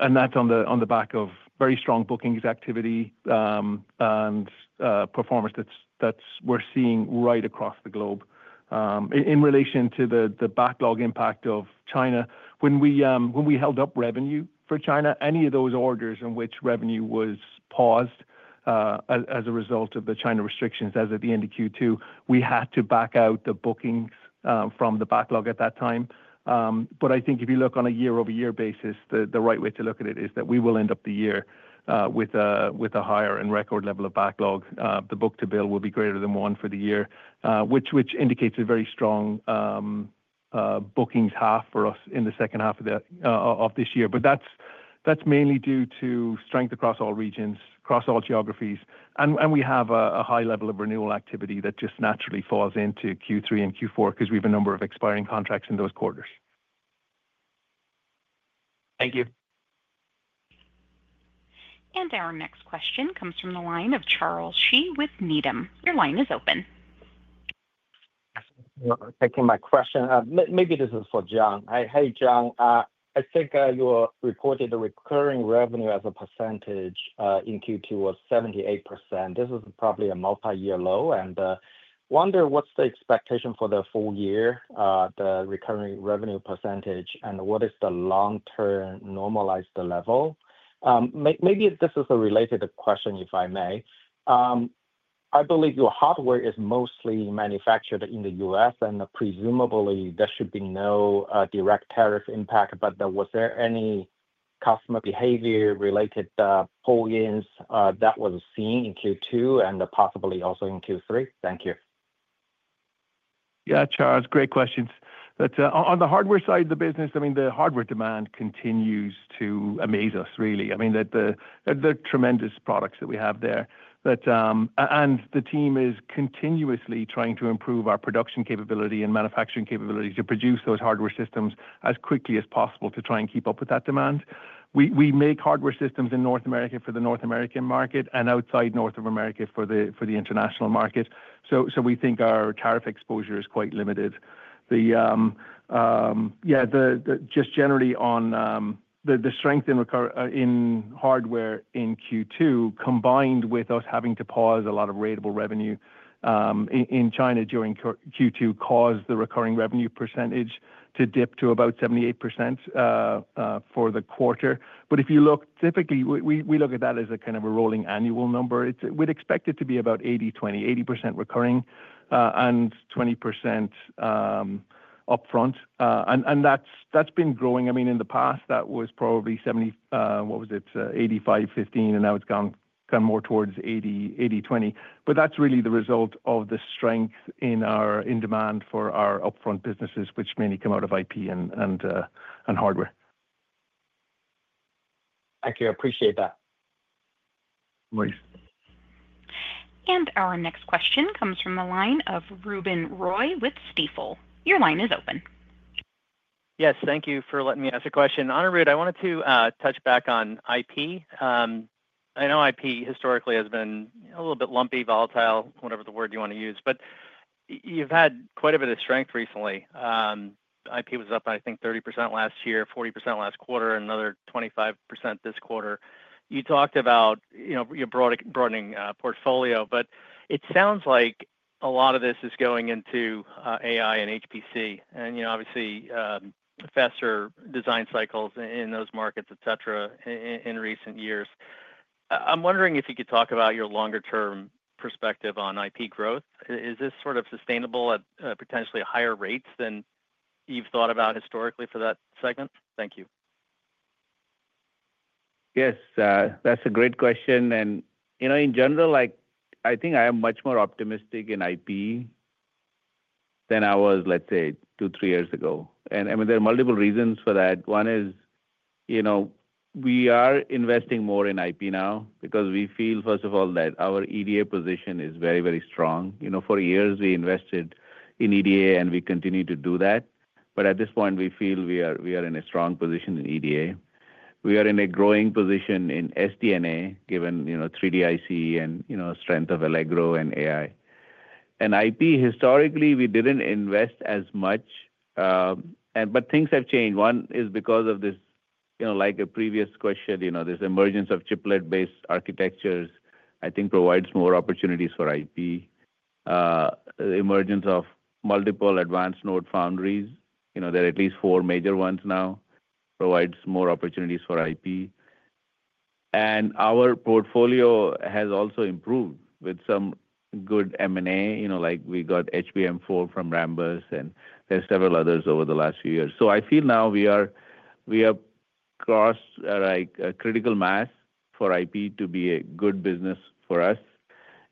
That's on the back of very strong bookings activity and performance that we're seeing right across the globe. In relation to the backlog impact of China, when we held up revenue for China, any of those orders in which revenue was paused as a result of the China restrictions as of the end of Q2, we had to back out the bookings from the backlog at that time. I think if you look on a year-over-year basis, the right way to look at it is that we will end up the year with a higher and record level of backlog. The book-to-bill will be greater than one for the year, which indicates a very strong bookings half for us in the second half of this year. That's mainly due to strength across all regions, across all geographies. We have a high level of renewal activity that just naturally falls into Q3 and Q4 because we have a number of expiring contracts in those quarters. Thank you. Our next question comes from the line of Charles Shi with Needham. Your line is open. Thank you for my question. Maybe this is for John. Hey, John, I think you reported the recurring revenue as a percentage in Q2 was 78%. This is probably a multi-year low. I wonder what's the expectation for the full year, the recurring revenue percentage, and what is the long-term normalized level? Maybe this is a related question, if I may. I believe your hardware is mostly manufactured in the U.S., and presumably, there should be no direct tariff impact. Was there any customer behavior-related pull-ins that were seen in Q2 and possibly also in Q3? Thank you. Yeah, Charles, great questions. On the hardware side of the business, the hardware demand continues to amaze us, really. The tremendous products that we have there. The team is continuously trying to improve our production capability and manufacturing capability to produce those hardware systems as quickly as possible to try and keep up with that demand. We make hardware systems in North America for the North American market and outside North America for the international market. We think our tariff exposure is quite limited. Just generally, the strength in hardware in Q2, combined with us having to pause a lot of ratable revenue in China during Q2, caused the recurring revenue percentage to dip to about 78% for the quarter. If you look, typically, we look at that as a kind of a rolling annual number. We'd expect it to be about 80/20, 80% recurring and 20% upfront. That has been growing. In the past, that was probably 85/15, and now it's gone more towards 80/20. That is really the result of the strength in demand for our upfront businesses, which mainly come out of IP and hardware. Thank you. I appreciate that. Our next question comes from the line of Ruben Roy with Stifel. Your line is open. Yes, thank you for letting me ask a question. Anirudh, I wanted to touch back on IP. I know IP historically has been a little bit lumpy, volatile, whatever the word you want to use. You've had quite a bit of strength recently. IP was up, I think, 30% last year, 40% last quarter, and another 25% this quarter. You talked about your broadening portfolio, but it sounds like a lot of this is going into AI and HPC. Obviously, faster design cycles in those markets, etc., in recent years. I'm wondering if you could talk about your longer-term perspective on IP growth. Is this sort of sustainable at potentially higher rates than you've thought about historically for that segment? Thank you. Yes, that's a great question. In general, I think I am much more optimistic in IP than I was, let's say, two, three years ago. There are multiple reasons for that. One is we are investing more in IP now because we feel, first of all, that our EDA position is very, very strong. For years, we invested in EDA, and we continue to do that. At this point, we feel we are in a strong position in EDA. We are in a growing position in SDA, given 3D-IC and strength of Allegro and AI. IP, historically, we didn't invest as much. Things have changed. One is because of this, like a previous question, this emergence of chiplet-based architectures, I think, provides more opportunities for IP. The emergence of multiple advanced node foundries, there are at least four major ones now, provides more opportunities for IP. Our portfolio has also improved with some good M&A. We got HBM4 from Rambus, and there are several others over the last few years. I feel now we are across a critical mass for IP to be a good business for us.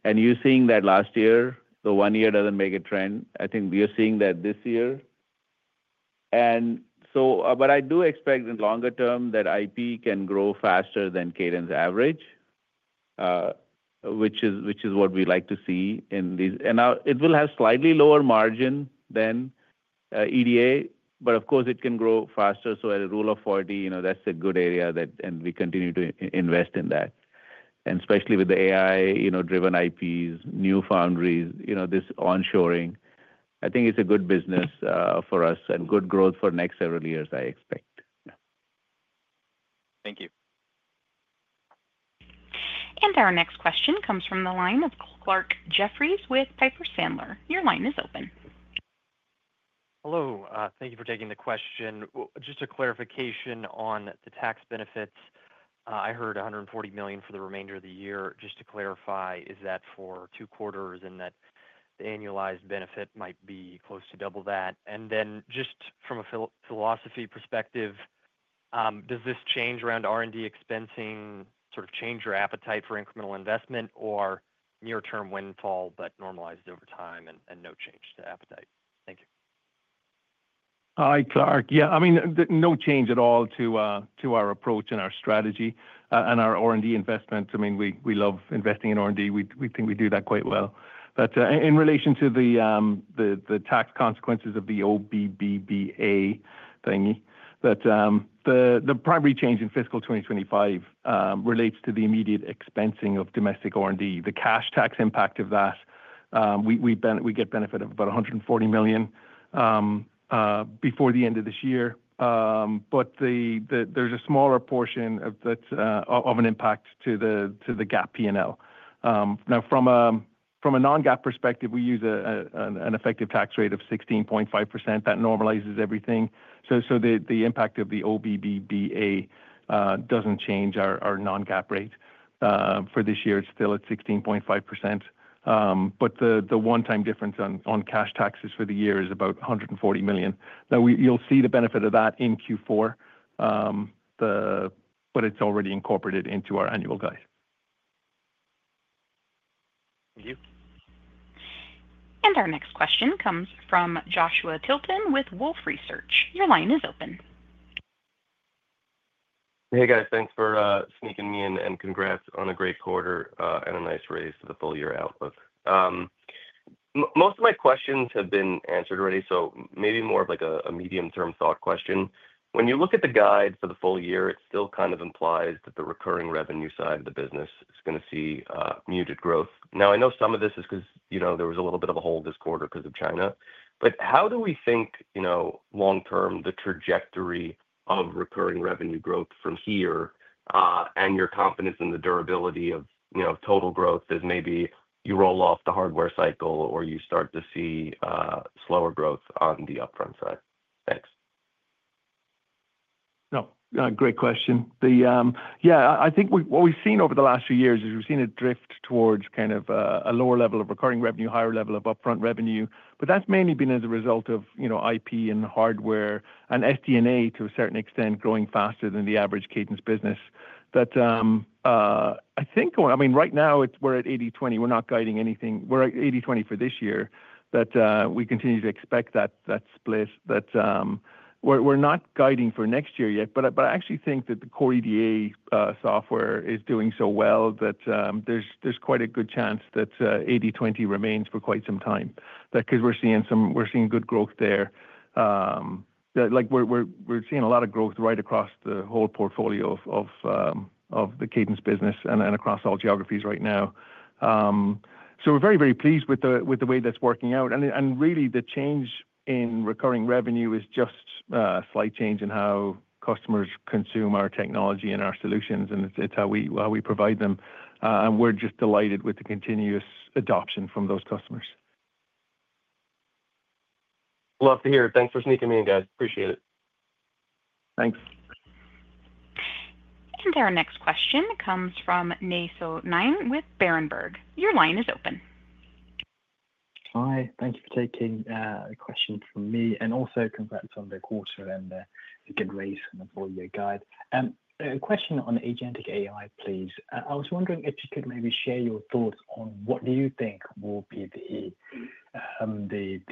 You are seeing that last year, the one year does not make a trend. I think we are seeing that this year. I do expect in the longer term that IP can grow faster than Cadence average, which is what we like to see in these. It will have slightly lower margin than EDA, but of course, it can grow faster. At a rule of 40, that is a good area, and we continue to invest in that. Especially with the AI-driven IPs, new foundries, this onshoring, I think it is a good business for us and good growth for the next several years, I expect. Thank you. Our next question comes from the line of Clarke Jeffries with Piper Sandler. Your line is open. Hello. Thank you for taking the question. Just a clarification on the tax benefits. I heard $140 million for the remainder of the year. Just to clarify, is that for two quarters and that the annualized benefit might be close to double that? Just from a philosophy perspective, does this change around R&D expensing sort of change your appetite for incremental investment or near-term windfall but normalized over time and no change to appetite? Thank you. Hi, Clarke. Yeah. I mean, no change at all to our approach and our strategy and our R&D investment. I mean, we love investing in R&D. We think we do that quite well. In relation to the tax consequences of the OBBBA thing, the primary change in fiscal 2025 relates to the immediate expensing of domestic R&D, the cash tax impact of that. We get benefit of about $140 million before the end of this year. There is a smaller portion of an impact to the GAAP P&L. Now, from a non-GAAP perspective, we use an effective tax rate of 16.5% that normalizes everything. The impact of the OBBBA does not change our non-GAAP rate. For this year, it is still at 16.5%. The one-time difference on cash taxes for the year is about $140 million. You will see the benefit of that in Q4, but it is already incorporated into our annual guide. Thank you. Our next question comes from Joshua Tilton with Wolfe Research. Your line is open. Hey, guys. Thanks for sneaking me in and congrats on a great quarter and a nice raise to the full-year outlook. Most of my questions have been answered already, so maybe more of a medium-term thought question. When you look at the guide for the full year, it still kind of implies that the recurring revenue side of the business is going to see muted growth. Now, I know some of this is because there was a little bit of a hold this quarter because of China. How do we think long-term the trajectory of recurring revenue growth from here, and your confidence in the durability of total growth as maybe you roll off the hardware cycle or you start to see slower growth on the upfront side? Thanks. No, great question. Yeah, I think what we've seen over the last few years is we've seen a drift towards kind of a lower level of recurring revenue, higher level of upfront revenue. That's mainly been as a result of IP and hardware and SDA to a certain extent growing faster than the average Cadence business. I think, I mean, right now, we're at 80/20. We're not guiding anything. We're at 80/20 for this year that we continue to expect that split. We're not guiding for next year yet. I actually think that the Core EDA software is doing so well that there's quite a good chance that 80/20 remains for quite some time because we're seeing good growth there. We're seeing a lot of growth right across the whole portfolio of the Cadence business and across all geographies right now. We're very, very pleased with the way that's working out. Really, the change in recurring revenue is just a slight change in how customers consume our technology and our solutions, and it's how we provide them. We're just delighted with the continuous adoption from those customers. Love to hear it. Thanks for sneaking me in, guys. Appreciate it. Thanks. Our next question comes from Naso Nain with Berenberg. Your line is open. Hi. Thank you for taking the question from me. Also, congrats on the quarter and the good raise for your guide. A question on agentic AI, please. I was wondering if you could maybe share your thoughts on what do you think will be the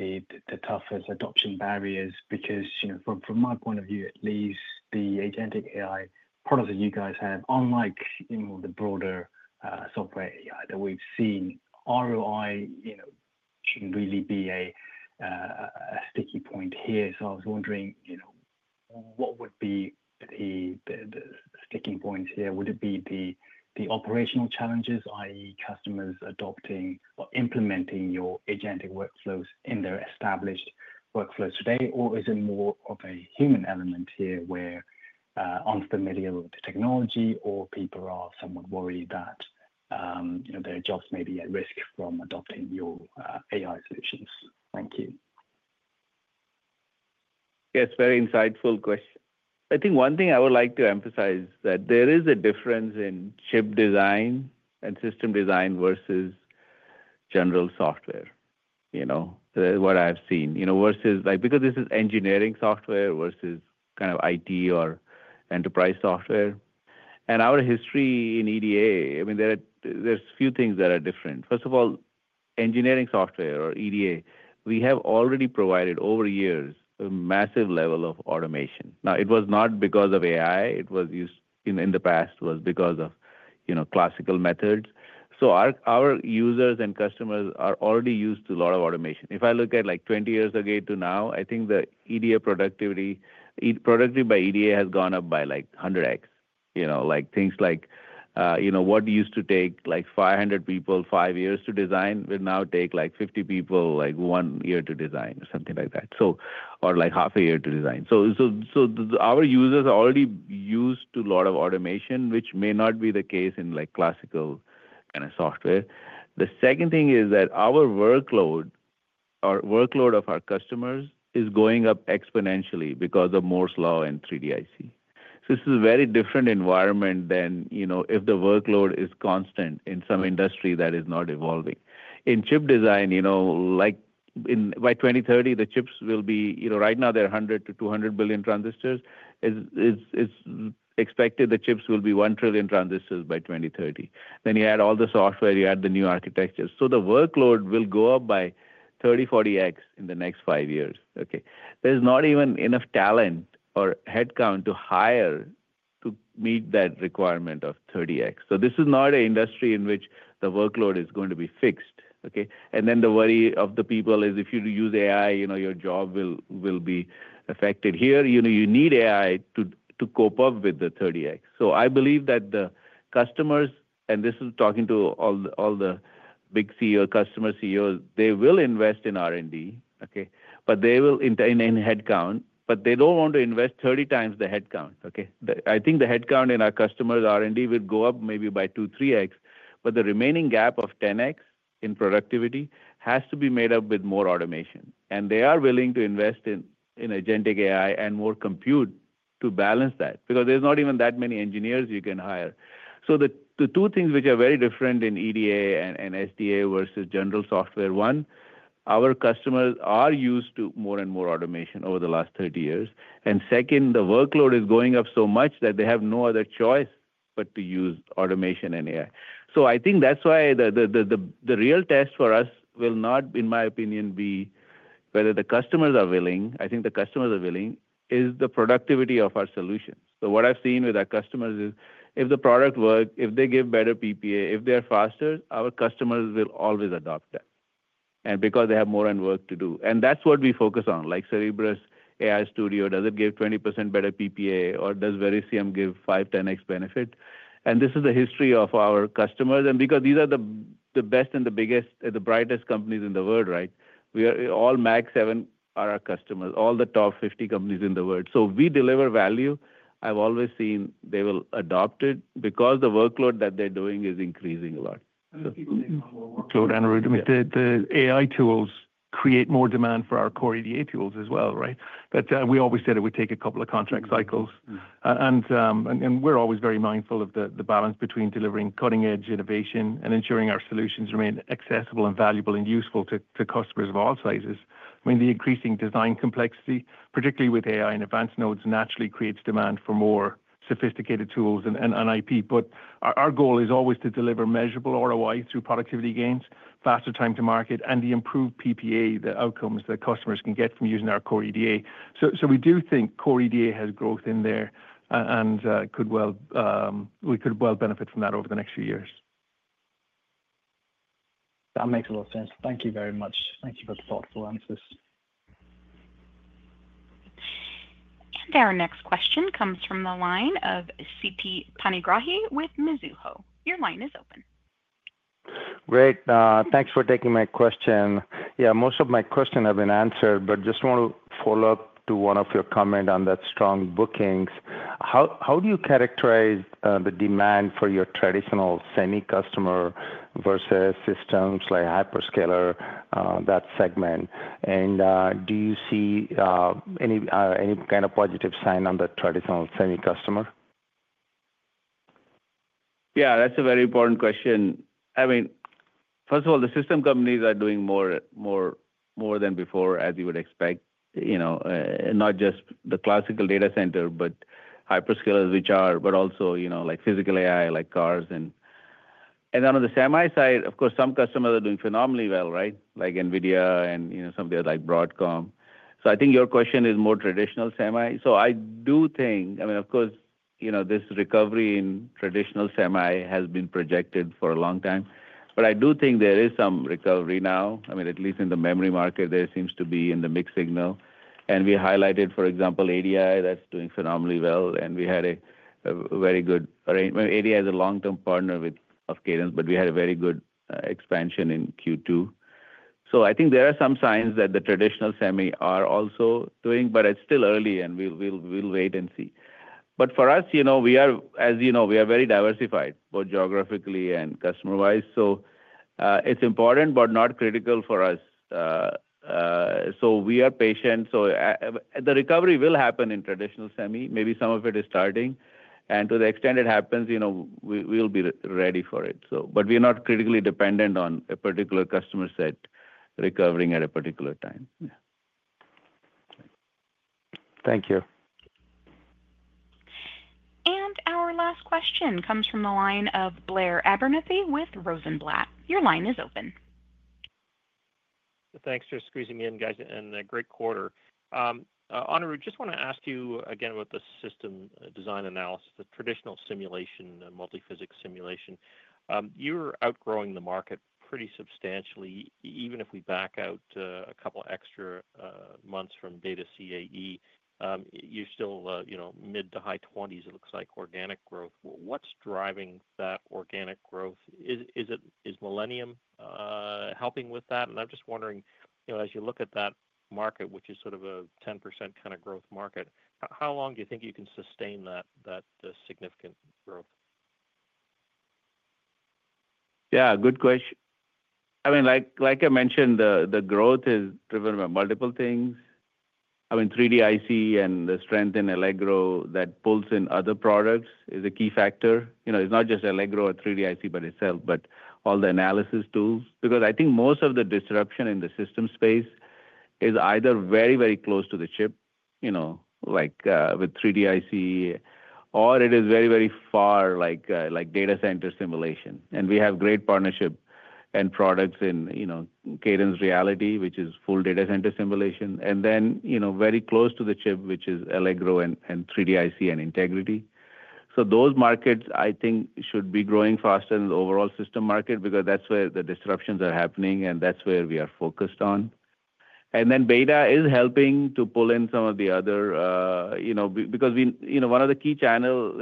toughest adoption barriers because from my point of view, at least, the agentic AI products that you guys have, unlike the broader software AI that we've seen, ROI shouldn't really be a sticky point here. I was wondering what would be the sticking points here. Would it be the operational challenges, i.e., customers adopting or implementing your agentic workflows in their established workflows today, or is it more of a human element here where unfamiliar with the technology or people are somewhat worried that their jobs may be at risk from adopting your AI solutions? Thank you. Yes, very insightful question. I think one thing I would like to emphasize is that there is a difference in chip design and system design versus general software. What I've seen versus because this is engineering software versus kind of IT or enterprise software. Our history in EDA, I mean, there's a few things that are different. First of all, engineering software or EDA, we have already provided over years a massive level of automation. Now, it was not because of AI. In the past, it was because of classical methods. So our users and customers are already used to a lot of automation. If I look at 20 years ago to now, I think the EDA productivity by EDA has gone up by like 100x. Things like what used to take 500 people five years to design will now take 50 people one year to design or something like that, or half a year to design. So our users are already used to a lot of automation, which may not be the case in classical kind of software. The second thing is that our workload of our customers is going up exponentially because of Moore's Law and 3D-IC. This is a very different environment than if the workload is constant in some industry that is not evolving. In chip design, by 2030, the chips will be right now, there are 100 billion-200 billion transistors. It's expected the chips will be 1 trillion transistors by 2030. Then you add all the software, you add the new architecture. The workload will go up by 30x-40x in the next five years. Okay. There's not even enough talent or headcount to hire to meet that requirement of 30x. This is not an industry in which the workload is going to be fixed. Okay. The worry of the people is if you use AI, your job will be affected. Here, you need AI to cope up with the 30x. I believe that the customers, and this is talking to all the big CEO customer CEOs, they will invest in R&D, okay, in headcount, but they don't want to invest 30x the headcount. Okay. I think the headcount in our customers' R&D will go up maybe by 2x-3x, but the remaining gap of 10x in productivity has to be made up with more automation. They are willing to invest in agentic AI and more compute to balance that because there's not even that many engineers you can hire. The two things which are very different in EDA and SDA versus general software, one, our customers are used to more and more automation over the last 30 years. Second, the workload is going up so much that they have no other choice but to use automation and AI. I think that's why the real test for us will not, in my opinion, be whether the customers are willing. I think the customers are willing is the productivity of our solutions. What I've seen with our customers is if the product works, if they give better PPA, if they're faster, our customers will always adopt that. Because they have more work to do. That's what we focus on. Like Cerebrus AI Studio, does it give 20% better PPA, or does Verisium give 5x, 10x benefit? And this is the history of our customers. And because these are the best and the brightest companies in the world, right? All Mag 7 are our customers, all the top 50 companies in the world. So we deliver value. I've always seen they will adopt it because the workload that they're doing is increasing a lot. And the people need more workload and the AI tools create more demand for our Core EDA tools as well, right? But we always said it would take a couple of contract cycles. And we're always very mindful of the balance between delivering cutting-edge innovation and ensuring our solutions remain accessible and valuable and useful to customers of all sizes. I mean, the increasing design complexity, particularly with AI and advanced nodes, naturally creates demand for more sophisticated tools and IP. But our goal is always to deliver measurable ROI through productivity gains, faster time to market, and the improved PPA, the outcomes that customers can get from using our Core EDA. So we do think Core EDA has growth in there and. We could well benefit from that over the next few years. That makes a lot of sense. Thank you very much. Thank you for the thoughtful answers. And our next question comes from the line of Siti Panigrani with Mizuho. Your line is open. Great. Thanks for taking my question. Yeah, most of my questions have been answered, but just want to follow up to one of your comments on that strong bookings. How do you characterize the demand for your traditional semi-customer versus systems like Hyperscaler, that segment? And do you see. Any kind of positive sign on the traditional semi-customer? Yeah, that's a very important question. I mean, first of all, the system companies are doing more. Than before, as you would expect. Not just the classical data center, but Hyperscalers, which are, but also Physical AI, like cars. And. On the semi side, of course, some customers are doing phenomenally well, right? Like NVIDIA and some of the others, like Broadcom. So I think your question is more traditional semi. So I do think, I mean, of course, this recovery in traditional semi has been projected for a long time. But I do think there is some recovery now. I mean, at least in the memory market, there seems to be in the mixed signal. And we highlighted, for example, ADI that's doing phenomenally well. And we had a very good arrangement. ADI is a long-term partner with Cadence, but we had a very good expansion in Q2. So I think there are some signs that the traditional semi are also doing, but it's still early, and we'll wait and see. But for us, as you know, we are very diversified, both geographically and customer-wise. So it's important, but not critical for us. So we are patient. The recovery will happen in traditional semi. Maybe some of it is starting. To the extent it happens, we'll be ready for it. We're not critically dependent on a particular customer set recovering at a particular time. Thank you. Our last question comes from the line of Blair Abernethy with Rosenblatt. Your line is open. Thanks for squeezing me in, guys, and a great quarter. Anirudh, just want to ask you again about the system design analysis, the traditional simulation, multiphysics simulation. You're outgrowing the market pretty substantially. Even if we back out a couple of extra months from data CAE, you're still mid to high 20s, it looks like, organic growth. What's driving that organic growth? Is Millennium helping with that? I'm just wondering, as you look at that market, which is sort of a 10% kind of growth market, how long do you think you can sustain that significant growth? Good question. I mean, like I mentioned, the growth is driven by multiple things. 3D-IC and the strength in Allegro that pulls in other products is a key factor. It's not just Allegro or 3D-IC by itself, but all the analysis tools. I think most of the disruption in the system space is either very, very close to the chip, like with 3D-IC, or it is very, very far, like data center simulation. We have great partnership and products in Cadence Reality, which is full data center simulation, and then very close to the chip, which is Allegro and 3D-IC and Integrity. Those markets, I think, should be growing faster than the overall system market because that's where the disruptions are happening, and that's where we are focused on. BETA is helping to pull in some of the other, because one of the key challenges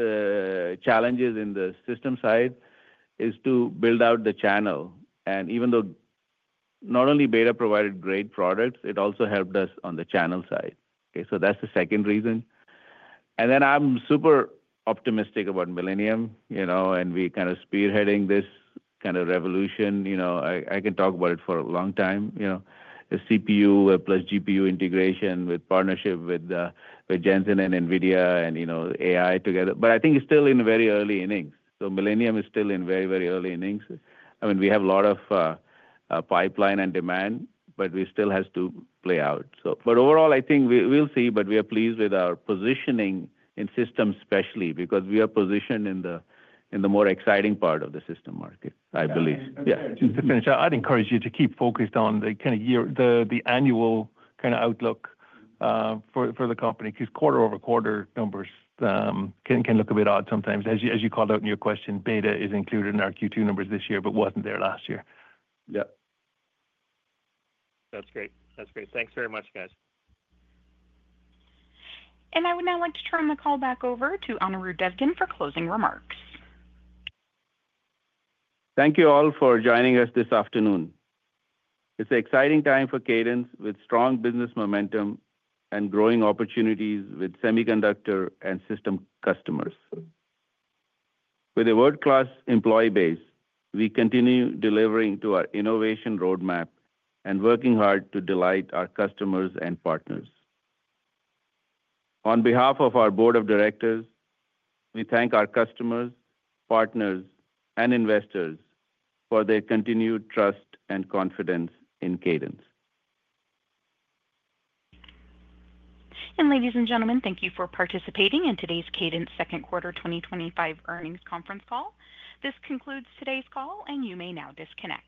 in the system side is to build out the channel. Not only BETA provided great products, it also helped us on the channel side. That's the second reason. I'm super optimistic about Millennium, and we're kind of spearheading this kind of revolution. I can talk about it for a long time. The CPU + GPU integration with partnership with Jensen and NVIDIA and AI together. I think it's still in very early innings. Millennium is still in very, very early innings. We have a lot of pipeline and demand, but we still have to play out. Overall, I think we'll see, but we are pleased with our positioning in systems, especially because we are positioned in the more exciting part of the system market, I believe. I'd encourage you to keep focused on the kind of annual kind of outlook for the company because quarter-over-quarter numbers can look a bit odd sometimes. As you called out in your question, BETA is included in our Q2 numbers this year but wasn't there last year. Yep. That's great. That's great. Thanks very much, guys. I would now like to turn the call back over to Anirudh Devgan for closing remarks. Thank you all for joining us this afternoon. It's an exciting time for Cadence with strong business momentum and growing opportunities with semiconductor and system customers. With a world-class employee base, we continue delivering to our innovation roadmap and working hard to delight our customers and partners. On behalf of our board of directors, we thank our customers, partners, and investors for their continued trust and confidence in Cadence. Ladies and gentlemen, thank you for participating in today's Cadence second quarter 2025 earnings conference call. This concludes today's call, and you may now disconnect.